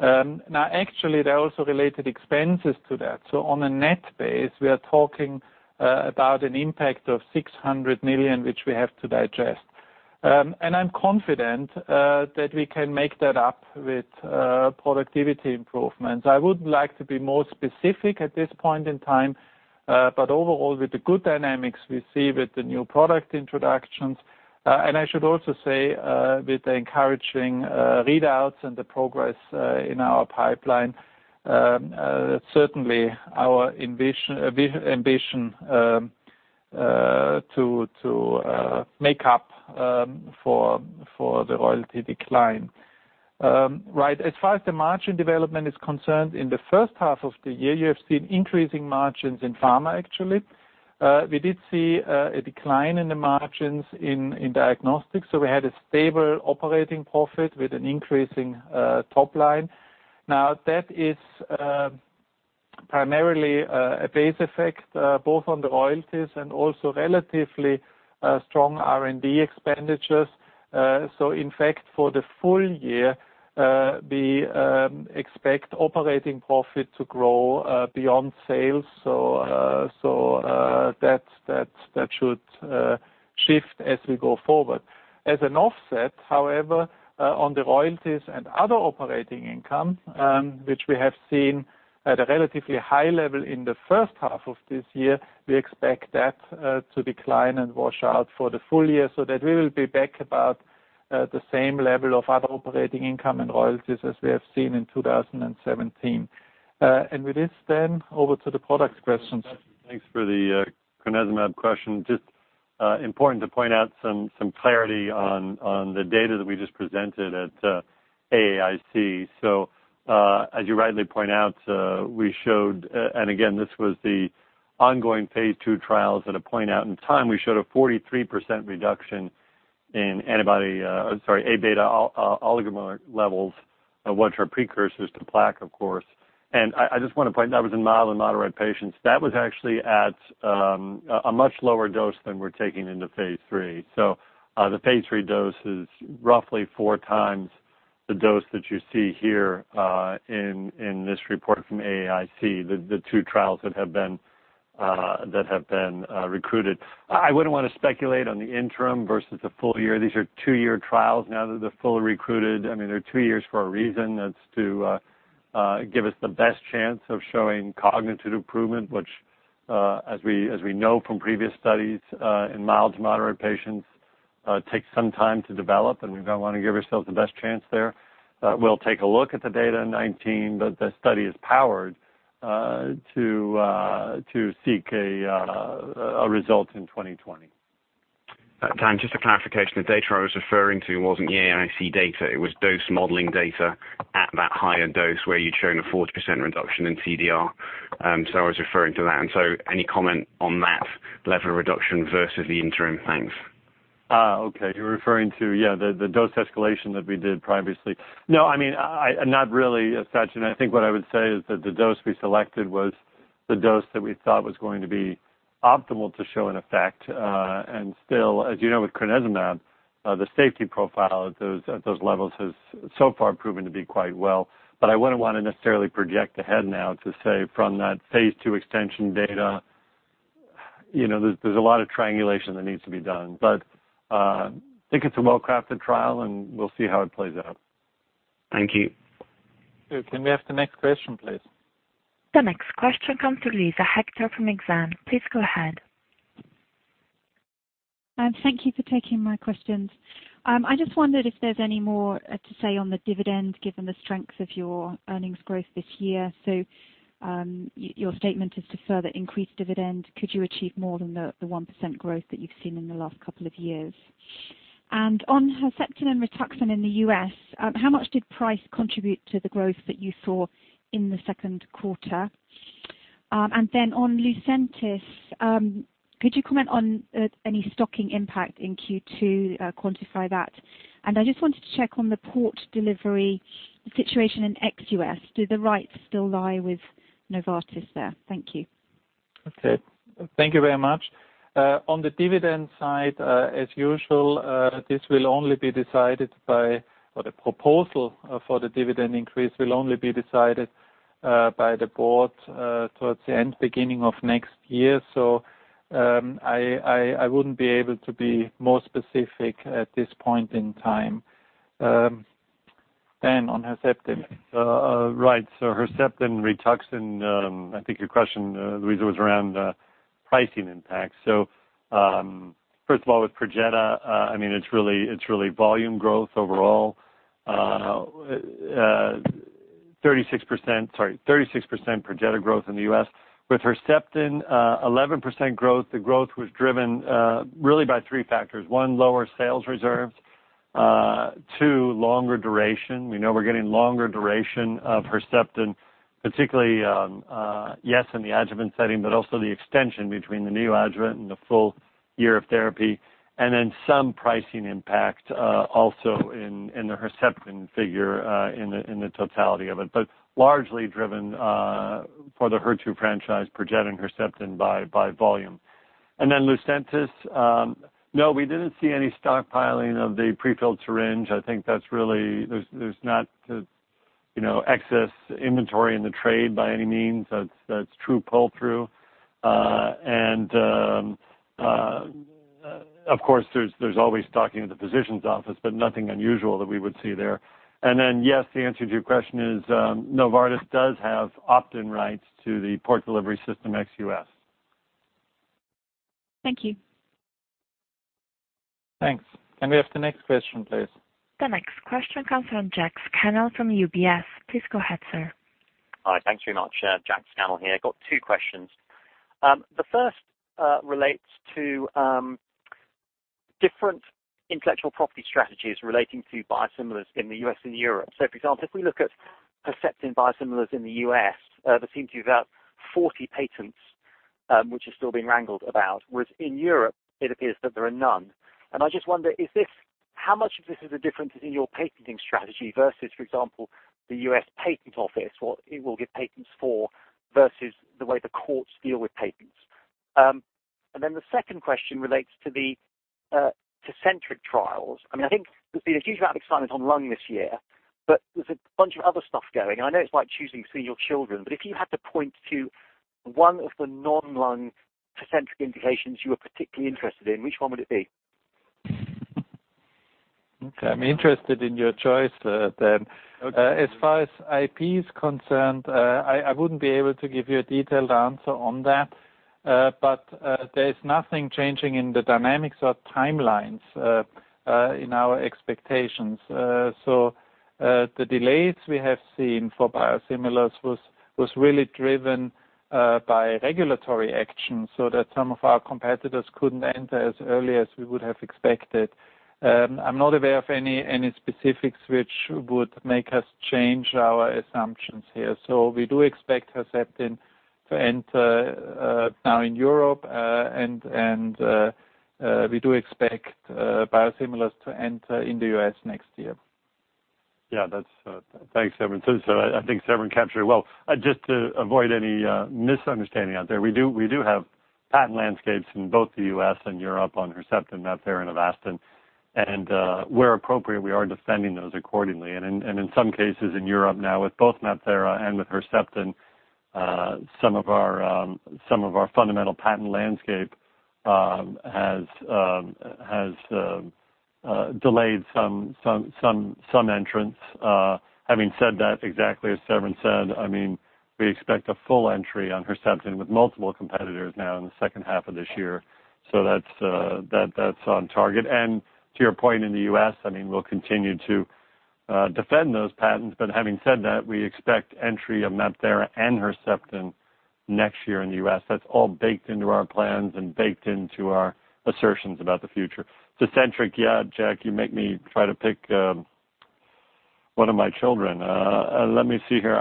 Speaker 2: Actually, there are also related expenses to that. On a net base, we are talking about an impact of 600 million, which we have to digest. I'm confident that we can make that up with productivity improvements. I would like to be more specific at this point in time, but overall, with the good dynamics we see with the new product introductions, and I should also say, with the encouraging readouts and the progress in our pipeline, certainly our ambition to make up for the royalty decline. Right. As far as the margin development is concerned, in the first half of the year, you have seen increasing margins in pharma, actually. We did see a decline in the margins in diagnostics. We had a stable operating profit with an increasing top line. That is primarily a base effect, both on the royalties and also relatively strong R&D expenditures. In fact, for the full year, we expect operating profit to grow beyond sales. That should shift as we go forward. As an offset, however, on the royalties and other operating income, which we have seen at a relatively high level in the first half of this year, we expect that to decline and wash out for the full year so that we will be back about the same level of other operating income and royalties as we have seen in 2017. With this then, over to the products questions.
Speaker 3: Thanks for the crenezumab question. Just important to point out some clarity on the data that we just presented at AAIC. As you rightly point out, we showed, and again, this was the ongoing phase II trials at a point out in time, we showed a 43% reduction in antibody, sorry, A-beta oligomeric levels, which are precursors to plaque, of course. I just want to point, that was in mild and moderate patients. That was actually at a much lower dose than we are taking into phase III. The phase III dose is roughly four times the dose that you see here in this report from AAIC, the two trials that have been recruited. I would not want to speculate on the interim versus the full year. These are two-year trials now that they are fully recruited. I mean, they are two years for a reason. That is to give us the best chance of showing cognitive improvement, which as we know from previous studies, in mild to moderate patients, takes some time to develop, and we want to give ourselves the best chance there. We will take a look at the data in 2019, the study is powered to seek a result in 2020.
Speaker 6: Dan, just a clarification. The data I was referring to was not the AAIC data. It was dose modeling data at that higher dose where you had shown a 40% reduction in CDR. I was referring to that. Any comment on that level of reduction versus the interim? Thanks.
Speaker 3: Okay. You are referring to the dose escalation that we did previously. I mean, not really as such. I think what I would say is that the dose we selected was the dose that we thought was going to be optimal to show an effect. And still, as you know, with crenezumab, the safety profile at those levels has so far proven to be quite well. I would not want to necessarily project ahead now to say from that phase II extension data. There is a lot of triangulation that needs to be done. I think it is a well-crafted trial, and we will see how it plays out.
Speaker 6: Thank you.
Speaker 2: Can we have the next question, please?
Speaker 1: The next question comes from Luisa Hector from Exane. Please go ahead.
Speaker 7: Thank you for taking my questions. I just wondered if there's any more to say on the dividend, given the strength of your earnings growth this year. Your statement is to further increase dividend. Could you achieve more than the 1% growth that you've seen in the last couple of years? On Herceptin and Rituxan in the U.S., how much did price contribute to the growth that you saw in the second quarter? On Lucentis, could you comment on any stocking impact in Q2, quantify that? I just wanted to check on the port delivery situation in ex-U.S. Do the rights still lie with Novartis there? Thank you.
Speaker 2: Okay. Thank you very much. On the dividend side, as usual this will only be decided by, or the proposal for the dividend increase will only be decided by the board towards the end, beginning of next year. I wouldn't be able to be more specific at this point in time. Dan, on Herceptin.
Speaker 3: Right. Herceptin, Rituxan, I think your question, Luisa, was around pricing impact. First of all, with Perjeta it's really volume growth overall. 36% Perjeta growth in the U.S. With Herceptin, 11% growth. The growth was driven really by three factors. One, lower sales reserves. Two, longer duration. We know we're getting longer duration of Herceptin, particularly, yes, in the adjuvant setting, but also the extension between the neoadjuvant and the full year of therapy. Some pricing impact also in the Herceptin figure in the totality of it. Largely driven for the HER2 franchise, Perjeta and Herceptin by volume. Lucentis, no, we didn't see any stockpiling of the prefilled syringe. I think there's not excess inventory in the trade by any means. That's true pull-through. Of course, there's always stocking at the physician's office, but nothing unusual that we would see there. Yes, the answer to your question is Novartis does have opt-in rights to the Port Delivery System ex-U.S.
Speaker 7: Thank you.
Speaker 2: Thanks. Can we have the next question, please?
Speaker 1: The next question comes from Jack Scannell from UBS. Please go ahead, sir.
Speaker 8: Hi. Thanks very much. Jack Scannell here. Got two questions. The first relates to different intellectual property strategies relating to biosimilars in the U.S. and Europe. For example, if we look at Herceptin biosimilars in the U.S., there seem to be about 40 patents, which are still being wrangled about. Whereas in Europe it appears that there are none. I just wonder, how much of this is a difference in your patenting strategy versus, for example, the U.S. patent office, what it will give patents for versus the way the courts deal with patents? The second question relates to the Tecentriq trials. I think there's a huge amount of excitement on lung this year, but there's a bunch of other stuff going. I know it's like choosing between your children, but if you had to point to one of the non-lung Tecentriq indications you are particularly interested in, which one would it be?
Speaker 2: Okay. I'm interested in your choice, Dan.
Speaker 8: Okay.
Speaker 2: As far as IP is concerned, I wouldn't be able to give you a detailed answer on that. There is nothing changing in the dynamics or timelines in our expectations. The delays we have seen for biosimilars was really driven by regulatory action that some of our competitors couldn't enter as early as we would have expected. I'm not aware of any specifics which would make us change our assumptions here. We do expect Herceptin to enter now in Europe, and we do expect biosimilars to enter in the U.S. next year.
Speaker 3: Yeah. Thanks, Severin. I think Severin captured it well. Just to avoid any misunderstanding out there, we do have patent landscapes in both the U.S. and Europe on Herceptin, MabThera and Avastin. Where appropriate, we are defending those accordingly. In some cases in Europe now with both MabThera and with Herceptin, some of our fundamental patent landscape has delayed some entrance. Having said that, exactly as Severin said, we expect a full entry on Herceptin with multiple competitors now in the second half of this year. That's on target. To your point, in the U.S., we'll continue to defend those patents. Having said that, we expect entry of MabThera and Herceptin next year in the U.S. That's all baked into our plans and baked into our assertions about the future. Tecentriq, yeah, Jack, you make me try to pick one of my children. Let me see here.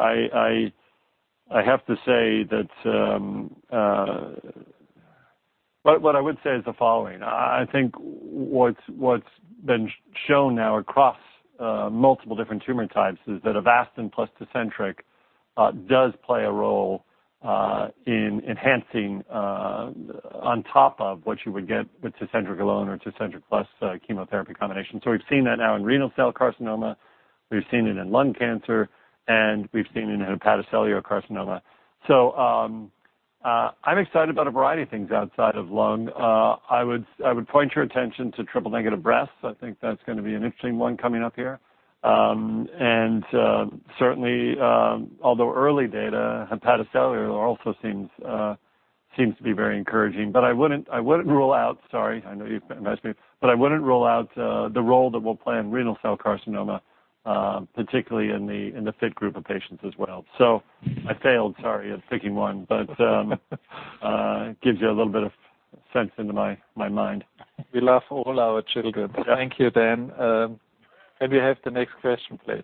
Speaker 3: What I would say is the following. I think what's been shown now across multiple different tumor types is that Avastin plus Tecentriq does play a role in enhancing on top of what you would get with Tecentriq alone or Tecentriq plus chemotherapy combination. We've seen that now in renal cell carcinoma, we've seen it in lung cancer, and we've seen it in hepatocellular carcinoma. I'm excited about a variety of things outside of lung. I would point your attention to triple-negative breast. I think that's going to be an interesting one coming up here. Certainly, although early data, hepatocellular also seems to be very encouraging. I wouldn't rule out, sorry, I know you've asked me, I wouldn't rule out the role that we'll play in renal cell carcinoma, particularly in the fit group of patients as well. I failed, sorry, at picking one, but gives you a little bit of sense into my mind.
Speaker 2: We love all our children. Thank you, Dan. Can we have the next question, please?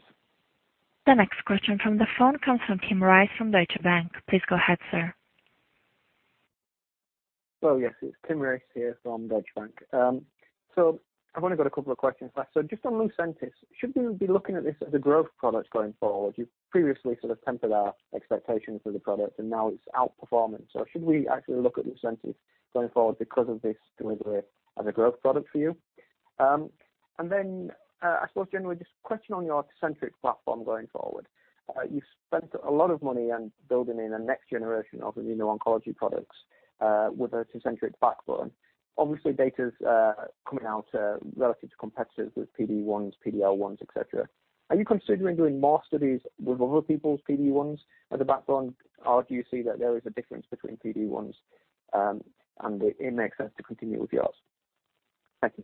Speaker 1: The next question from the phone comes from Tim Race from Deutsche Bank. Please go ahead, sir.
Speaker 9: Oh, yes. It's Tim Race here from Deutsche Bank. I've only got a couple of questions left. Just on Lucentis, should we be looking at this as a growth product going forward? You've previously sort of tempered our expectations for the product, and now it's outperforming. Should we actually look at Lucentis going forward because of this delivery as a growth product for you? I suppose generally, just a question on your Tecentriq platform going forward. You've spent a lot of money on building in a next generation of immuno-oncology products with a Tecentriq backbone. Obviously, data's coming out relative to competitors with PD-1s, PD-L1s, et cetera. Are you considering doing more studies with other people's PD-1s as a backbone? Do you see that there is a difference between PD-1s, and it makes sense to continue with yours? Thank you.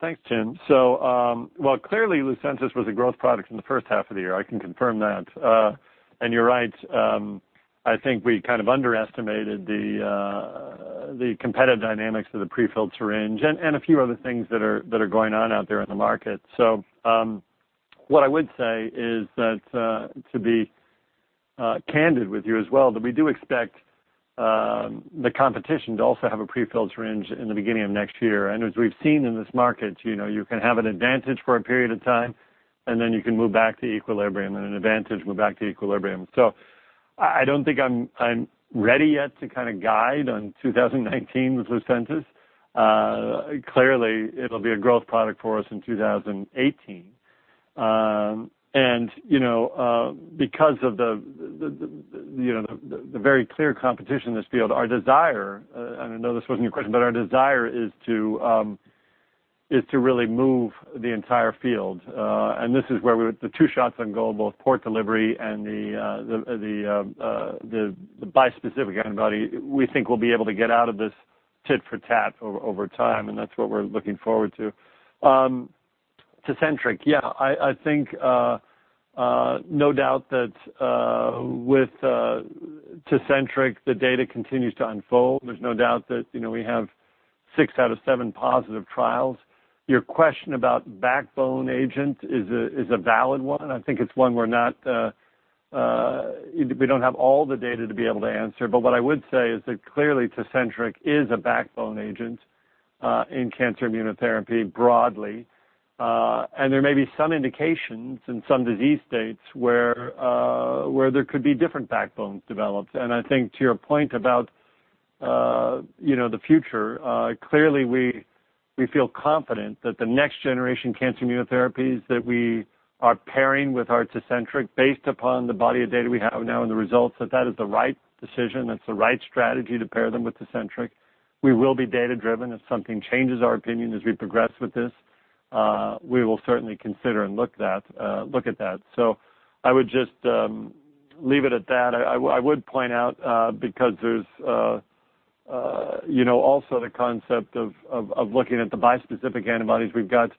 Speaker 3: Thanks, Tim. Well, clearly, Lucentis was a growth product in the first half of the year. I can confirm that. You're right, I think we kind of underestimated the competitive dynamics of the pre-filled syringe and a few other things that are going on out there in the market. What I would say is that, to be candid with you as well, that we do expect the competition to also have a pre-filled syringe in the beginning of next year. As we've seen in this market, you can have an advantage for a period of time, and then you can move back to equilibrium and an advantage, move back to equilibrium. I don't think I'm ready yet to kind of guide on 2019 with Lucentis. Clearly it'll be a growth product for us in 2018. Because of the very clear competition in this field, our desire, and I know this wasn't your question, our desire is to really move the entire field. This is where the two shots on goal, both port delivery and the bispecific antibody, we think we'll be able to get out of this tit for tat over time, and that's what we're looking forward to. Tecentriq, yeah, I think no doubt that with Tecentriq, the data continues to unfold. There's no doubt that we have six out of seven positive trials. Your question about backbone agent is a valid one. I think it's one we don't have all the data to be able to answer. What I would say is that clearly Tecentriq is a backbone agent in cancer immunotherapy broadly. There may be some indications in some disease states where there could be different backbones developed. I think to your point about the future, clearly we feel confident that the next generation cancer immunotherapies that we are pairing with our Tecentriq, based upon the body of data we have now and the results, that that is the right decision, that's the right strategy to pair them with Tecentriq. We will be data-driven. If something changes our opinion as we progress with this, we will certainly consider and look at that. I would just leave it at that. I would point out because there's also the concept of looking at the bispecific antibodies. We've got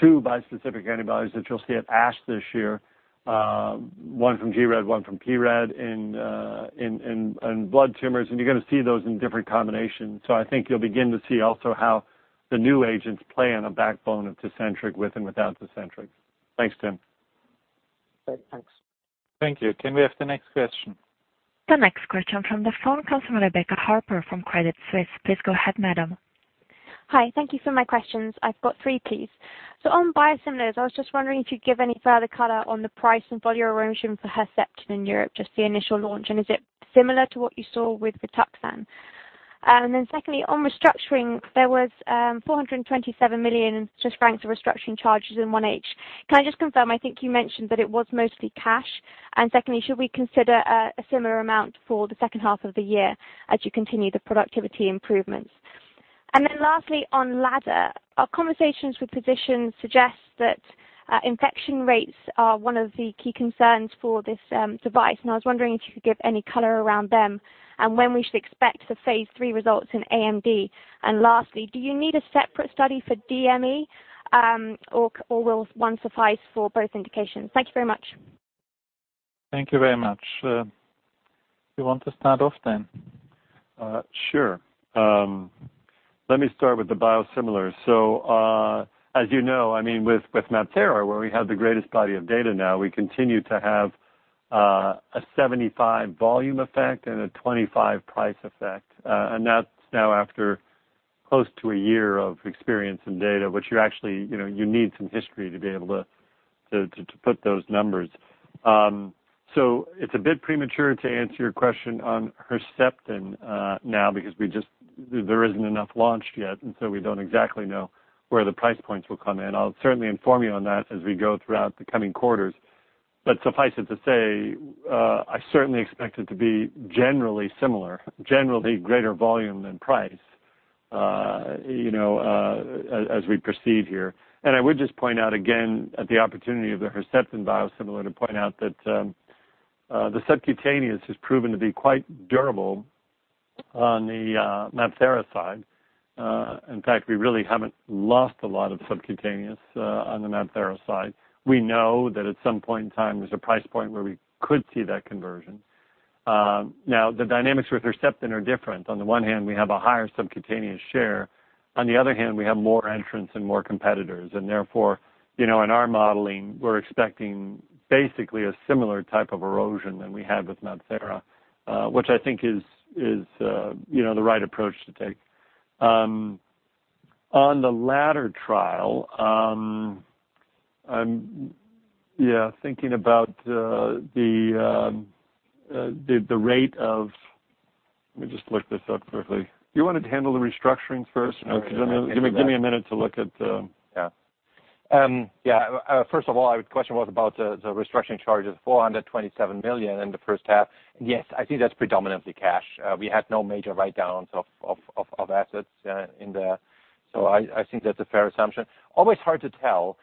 Speaker 3: two bispecific antibodies that you'll see at ASH this year. One from gRED, one from pRED in blood tumors, and you're going to see those in different combinations. I think you'll begin to see also how the new agents play in a backbone of Tecentriq, with and without Tecentriq. Thanks, Tim.
Speaker 2: Great. Thanks. Thank you. Can we have the next question?
Speaker 1: The next question from the phone comes from Rebecca Harper from Credit Suisse. Please go ahead, madam.
Speaker 10: Hi. Thank you for my questions. I've got three, please. On biosimilars, I was just wondering if you'd give any further color on the price and volume erosion for Herceptin in Europe, just the initial launch, and is it similar to what you saw with Rituxan? Secondly, on restructuring, there was 427 million francs of restructuring charges in 1H. Can I just confirm, I think you mentioned that it was mostly cash, and secondly, should we consider a similar amount for the second half of the year as you continue the productivity improvements? Lastly, on LADDER. Our conversations with physicians suggest that infection rates are one of the key concerns for this device, and I was wondering if you could give any color around them and when we should expect the phase III results in AMD. Lastly, do you need a separate study for DME or will one suffice for both indications? Thank you very much.
Speaker 2: Thank you very much. Do you want to start off then?
Speaker 3: Sure. Let me start with the biosimilar. As you know, with MabThera, where we have the greatest body of data now, we continue to have a 75% volume effect and a 25% price effect. That's now after close to a year of experience and data, which you actually need some history to be able to put those numbers. It's a bit premature to answer your question on Herceptin now because there isn't enough launch yet, we don't exactly know where the price points will come in. I'll certainly inform you on that as we go throughout the coming quarters. Suffice it to say, I certainly expect it to be generally similar, generally greater volume than price as we proceed here. I would just point out, again, at the opportunity of the Herceptin biosimilar, to point out that the subcutaneous has proven to be quite durable on the MabThera side. In fact, we really haven't lost a lot of subcutaneous on the MabThera side. We know that at some point in time, there's a price point where we could see that conversion. The dynamics with Herceptin are different. On the one hand, we have a higher subcutaneous share. On the other hand, we have more entrants and more competitors, therefore, in our modeling, we're expecting basically a similar type of erosion than we had with MabThera, which I think is the right approach to take. On the LADDER trial, I'm thinking about the rate of Let me just look this up quickly. Do you want to handle the restructurings first? Give me a minute to look at.
Speaker 5: Yeah. First of all, the question was about the restructuring charges, 427 million in the first half. Yes, I think that's predominantly cash. We had no major write-downs of assets in there. I think that's a fair assumption. Always hard to tell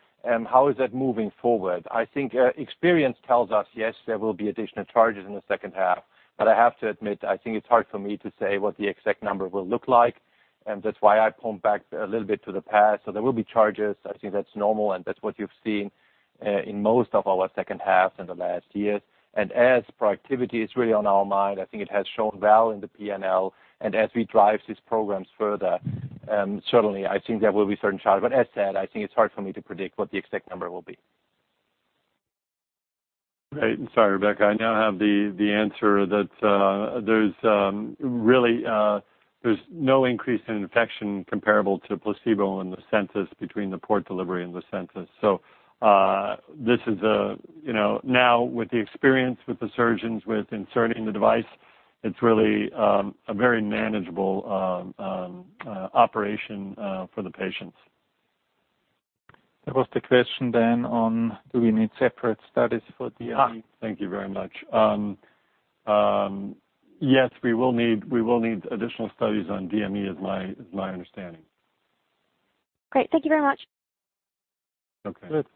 Speaker 5: how is that moving forward. I think experience tells us, yes, there will be additional charges in the second half. I have to admit, I think it's hard for me to say what the exact number will look like, and that's why I pumped back a little bit to the past. There will be charges. I think that's normal, and that's what you've seen in most of our second half in the last years. As productivity is really on our mind, I think it has shown well in the P&L, as we drive these programs further, certainly, I think there will be certain charges. As said, I think it's hard for me to predict what the exact number will be.
Speaker 3: Great. Sorry, Rebecca. I now have the answer that there's no increase in infection comparable to placebo in the Lucentis between the Port Delivery System and the Lucentis. Now, with the experience with the surgeons with inserting the device, it's really a very manageable operation for the patients.
Speaker 2: There was the question then on do we need separate studies for DME?
Speaker 3: Thank you very much. Yes, we will need additional studies on DME is my understanding.
Speaker 10: Great. Thank you very much.
Speaker 3: Okay.
Speaker 2: Good.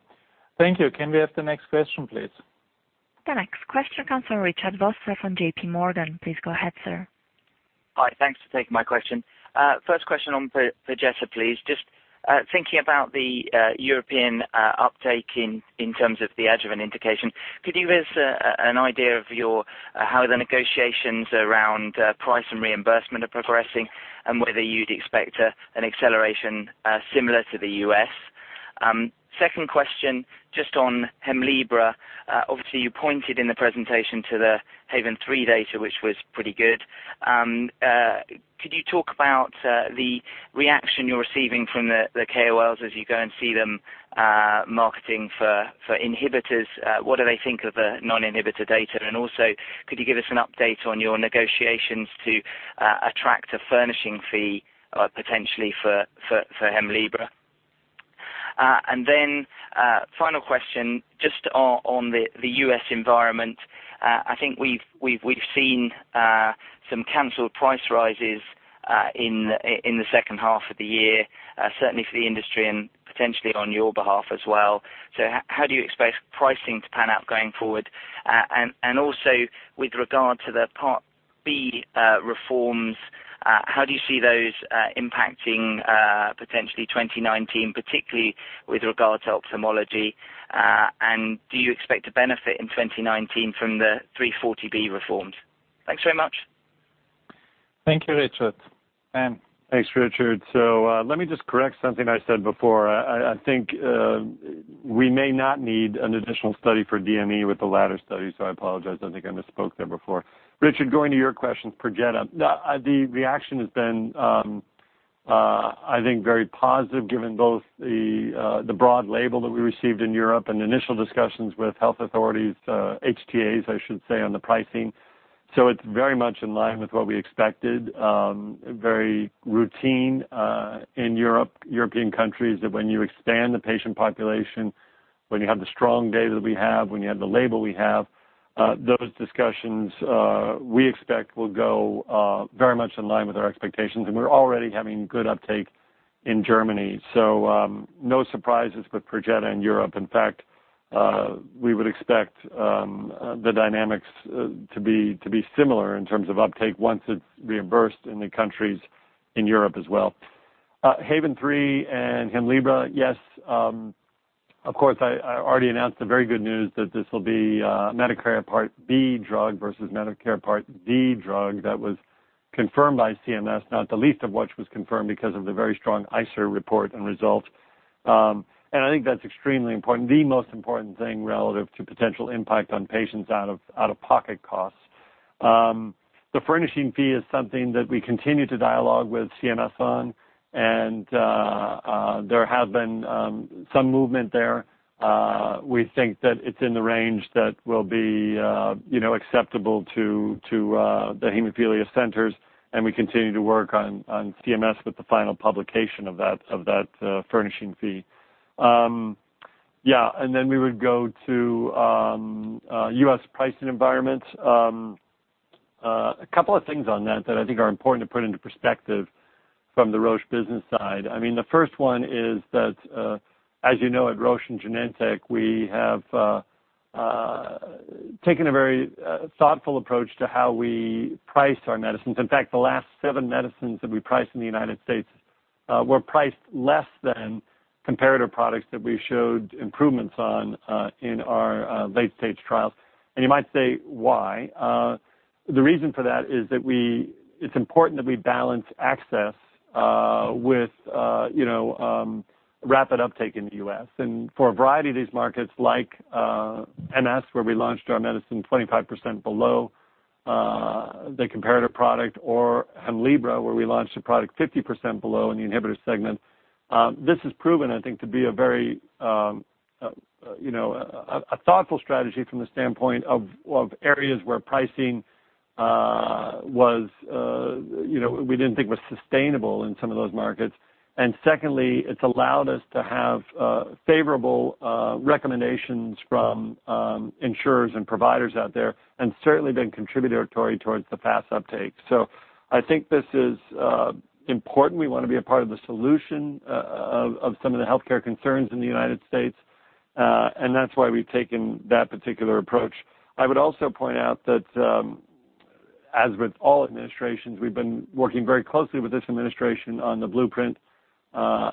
Speaker 2: Thank you. Can we have the next question, please?
Speaker 1: The next question comes from Richard Vosser from JPMorgan. Please go ahead, sir.
Speaker 11: Hi, thanks for taking my question. First question on Perjeta, please. Just thinking about the European uptake in terms of the adjuvant indication, could you give us an idea of how the negotiations around price and reimbursement are progressing and whether you'd expect an acceleration similar to the U.S.? Second question, just on Hemlibra. Obviously, you pointed in the presentation to the HAVEN 3 data, which was pretty good. Could you talk about the reaction you're receiving from the KOLs as you go and see them marketing for inhibitors? What do they think of the non-inhibitor data? Also, could you give us an update on your negotiations to attract a furnishing fee potentially for Hemlibra? Final question, just on the U.S. environment. I think we've seen some canceled price rises in the second half of the year, certainly for the industry and potentially on your behalf as well. How do you expect pricing to pan out going forward? With regard to the Part B reforms, how do you see those impacting potentially 2019, particularly with regard to ophthalmology, and do you expect to benefit in 2019 from the 340B reforms? Thanks very much.
Speaker 2: Thank you, Richard. Dan?
Speaker 3: Thanks, Richard. Let me just correct something I said before. I think we may not need an additional study for DME with the LADDER study. I apologize. I think I misspoke there before. Richard, going to your questions for Perjeta. The reaction has been I think very positive given both the broad label that we received in Europe and the initial discussions with health authorities, HTAs, I should say, on the pricing. It is very much in line with what we expected. Very routine in European countries that when you expand the patient population, when you have the strong data that we have, when you have the label we have, those discussions, we expect, will go very much in line with our expectations. We are already having good uptake in Germany. No surprises with Perjeta in Europe. In fact, we would expect the dynamics to be similar in terms of uptake once it is reimbursed in the countries in Europe as well. HAVEN 3 and Hemlibra, yes, of course, I already announced the very good news that this will be a Medicare Part B drug versus Medicare Part D drug that was confirmed by CMS, not the least of which was confirmed because of the very strong ICER report and results. I think that is extremely important, the most important thing relative to potential impact on patients out-of-pocket costs. The furnishing fee is something that we continue to dialogue with CMS on, and there has been some movement there. We think that it is in the range that will be acceptable to the hemophilia centers, and we continue to work on CMS with the final publication of that furnishing fee. We would go to U.S. pricing environments. A couple of things on that I think are important to put into perspective from the Roche business side. The first one is that, as you know, at Roche and Genentech, we have taken a very thoughtful approach to how we price our medicines. In fact, the last seven medicines that we priced in the United States were priced less than comparator products that we showed improvements on in our late-stage trials. You might say, why? The reason for that is it is important that we balance access with rapid uptake in the U.S. For a variety of these markets like MS, where we launched our medicine 25% below the comparative product, or Hemlibra, where we launched a product 50% below in the inhibitor segment. This has proven to be a very thoughtful strategy from the standpoint of areas where pricing we didn't think was sustainable in some of those markets. Secondly, it has allowed us to have favorable recommendations from insurers and providers out there, and certainly been contributory towards the fast uptake. I think this is important. We want to be a part of the solution of some of the healthcare concerns in the United States, and that is why we have taken that particular approach. I would also point out that as with all administrations, we have been working very closely with this administration on the Blueprint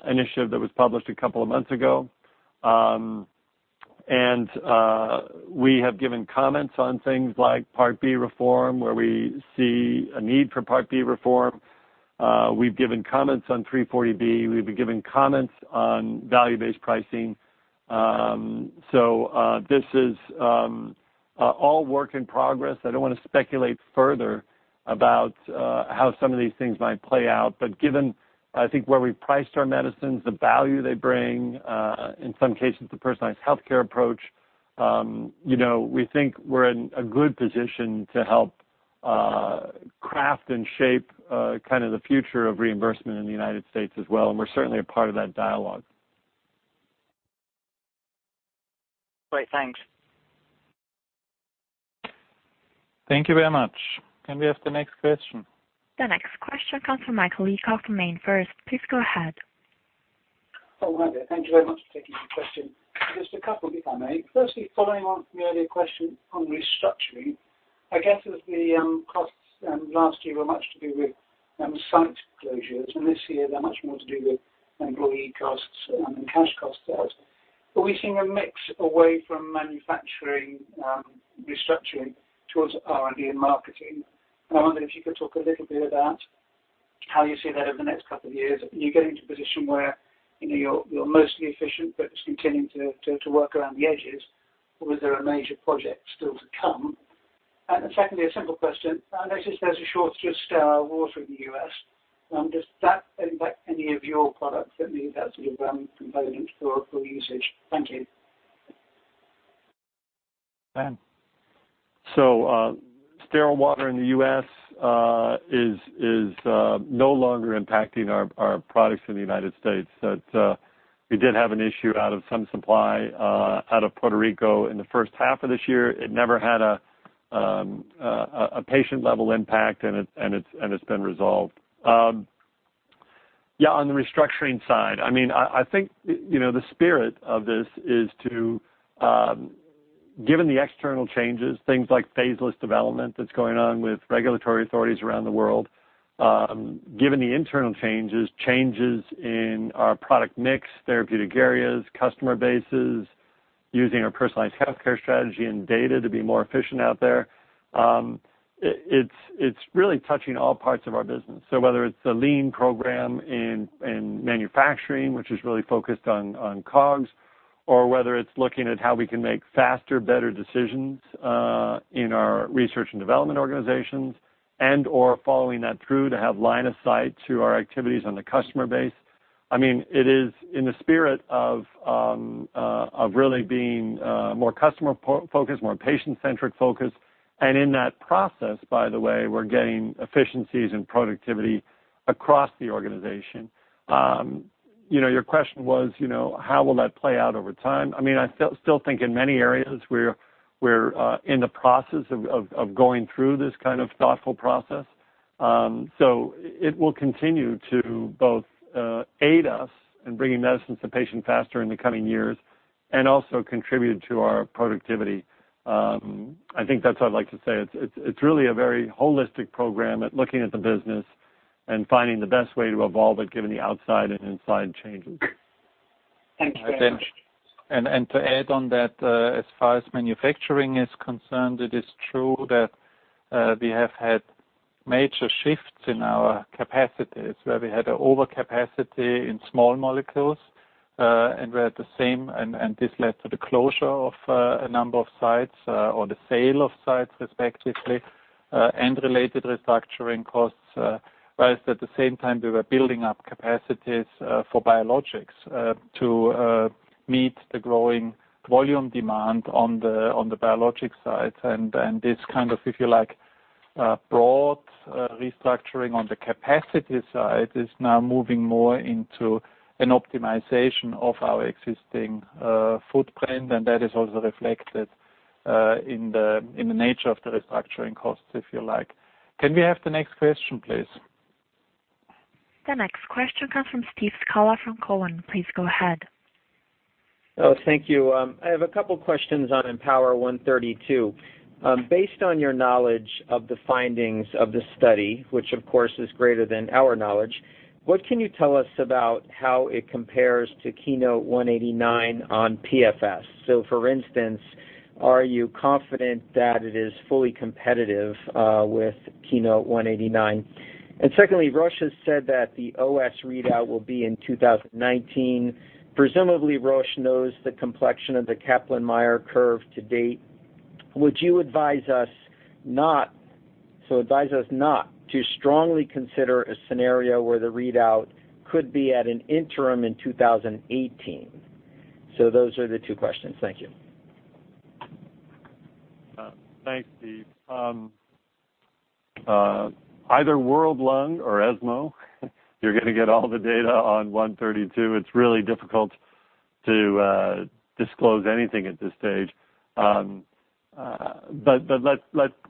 Speaker 3: initiative that was published a couple of months ago. We have given comments on things like Part B reform, where we see a need for Part B reform. We have given comments on 340B. We have given comments on value-based pricing. This is all work in progress. Given I think where we've priced our medicines, the value they bring, in some cases, the personalized healthcare approach, we think we're in a good position to help craft and shape kind of the future of reimbursement in the U.S. as well, and we're certainly a part of that dialogue.
Speaker 11: Great. Thanks.
Speaker 2: Thank you very much. Can we have the next question?
Speaker 1: The next question comes from Michael Leacock, from MainFirst. Please go ahead.
Speaker 12: Hi there. Thank you very much for taking the question. Just a couple if I may. Firstly, following on from the earlier question on restructuring, I guess as the costs last year were much to do with site closures, and this year they are much more to do with employee costs and cash cost out. Are we seeing a mix away from manufacturing restructuring towards R&D and marketing? I wonder if you could talk a little bit about how you see that over the next couple of years. Are you getting to a position where you are mostly efficient but just continuing to work around the edges, or is there a major project still to come? Secondly, a simple question. I notice there is a shortage of sterile water in the U.S. Does that impact any of your products that need that sort of component for usage? Thank you.
Speaker 2: Sam.
Speaker 3: Sterile water in the U.S. is no longer impacting our products in the United States. We did have an issue out of some supply out of Puerto Rico in the first half of this year. It never had a patient-level impact, and it has been resolved. On the restructuring side, I think the spirit of this is to, given the external changes, things like phase less development that is going on with regulatory authorities around the world. Given the internal changes in our product mix, therapeutic areas, customer bases, using our personalized healthcare strategy and data to be more efficient out there, it is really touching all parts of our business. Whether it is the lean program in manufacturing, which is really focused on COGS, or whether it is looking at how we can make faster, better decisions, in our research and development organizations and/or following that through to have line of sight to our activities on the customer base. It is in the spirit of really being more customer-focused, more patient-centric focused. In that process, by the way, we are gaining efficiencies in productivity across the organization. Your question was, how will that play out over time? I still think in many areas we are in the process of going through this kind of thoughtful process. It will continue to both aid us in bringing medicines to patients faster in the coming years and also contribute to our productivity. I think that is what I would like to say. It is really a very holistic program at looking at the business and finding the best way to evolve it given the outside and inside changes.
Speaker 12: Thank you very much.
Speaker 2: To add on that, as far as manufacturing is concerned, it is true that we have had major shifts in our capacities where we had over capacity in small molecules, we had the same, this led to the closure of a number of sites, or the sale of sites, respectively, and related restructuring costs. At the same time, we were building up capacities for biologics to meet the growing volume demand on the biologic side. This kind of, if you like, broad restructuring on the capacity side is now moving more into an optimization of our existing footprint, that is also reflected in the nature of the restructuring costs, if you like. Can we have the next question, please?
Speaker 1: The next question comes from Steve Scala from Cowen. Please go ahead.
Speaker 13: Thank you. I have a couple questions on IMpower132. Based on your knowledge of the findings of the study, which of course is greater than our knowledge, what can you tell us about how it compares to KEYNOTE-189 on PFS? For instance, are you confident that it is fully competitive with KEYNOTE-189? Secondly, Roche has said that the OS readout will be in 2019. Presumably, Roche knows the complexion of the Kaplan-Meier curve to date. Would you advise us not to strongly consider a scenario where the readout could be at an interim in 2018? Those are the two questions. Thank you.
Speaker 3: Thanks, Steve. Either World Lung or ESMO, you're going to get all the data on 132. It's really difficult to disclose anything at this stage.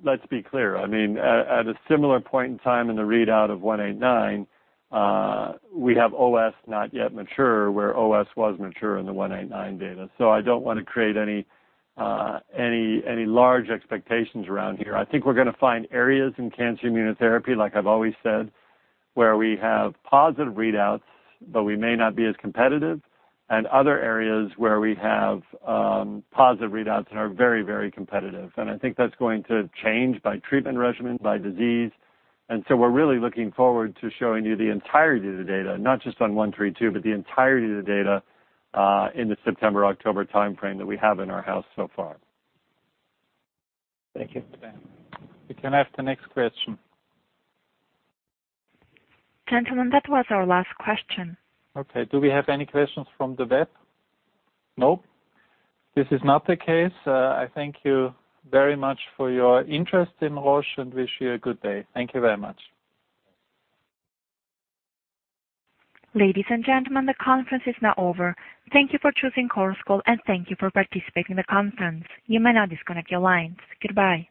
Speaker 3: Let's be clear. At a similar point in time in the readout of 189, we have OS not yet mature, where OS was mature in the 189 data. I don't want to create any large expectations around here. I think we're going to find areas in cancer immunotherapy, like I've always said, where we have positive readouts, but we may not be as competitive, and other areas where we have positive readouts and are very competitive. I think that's going to change by treatment regimen, by disease. We're really looking forward to showing you the entirety of the data, not just on 132, but the entirety of the data, in the September-October timeframe that we have in our house so far.
Speaker 13: Thank you.
Speaker 2: We can have the next question.
Speaker 1: Gentlemen, that was our last question.
Speaker 2: Okay. Do we have any questions from the web? Nope. This is not the case. I thank you very much for your interest in Roche and wish you a good day. Thank you very much.
Speaker 1: Ladies and gentlemen, the conference is now over. Thank you for choosing Chorus Call, and thank you for participating in the conference. You may now disconnect your lines. Goodbye.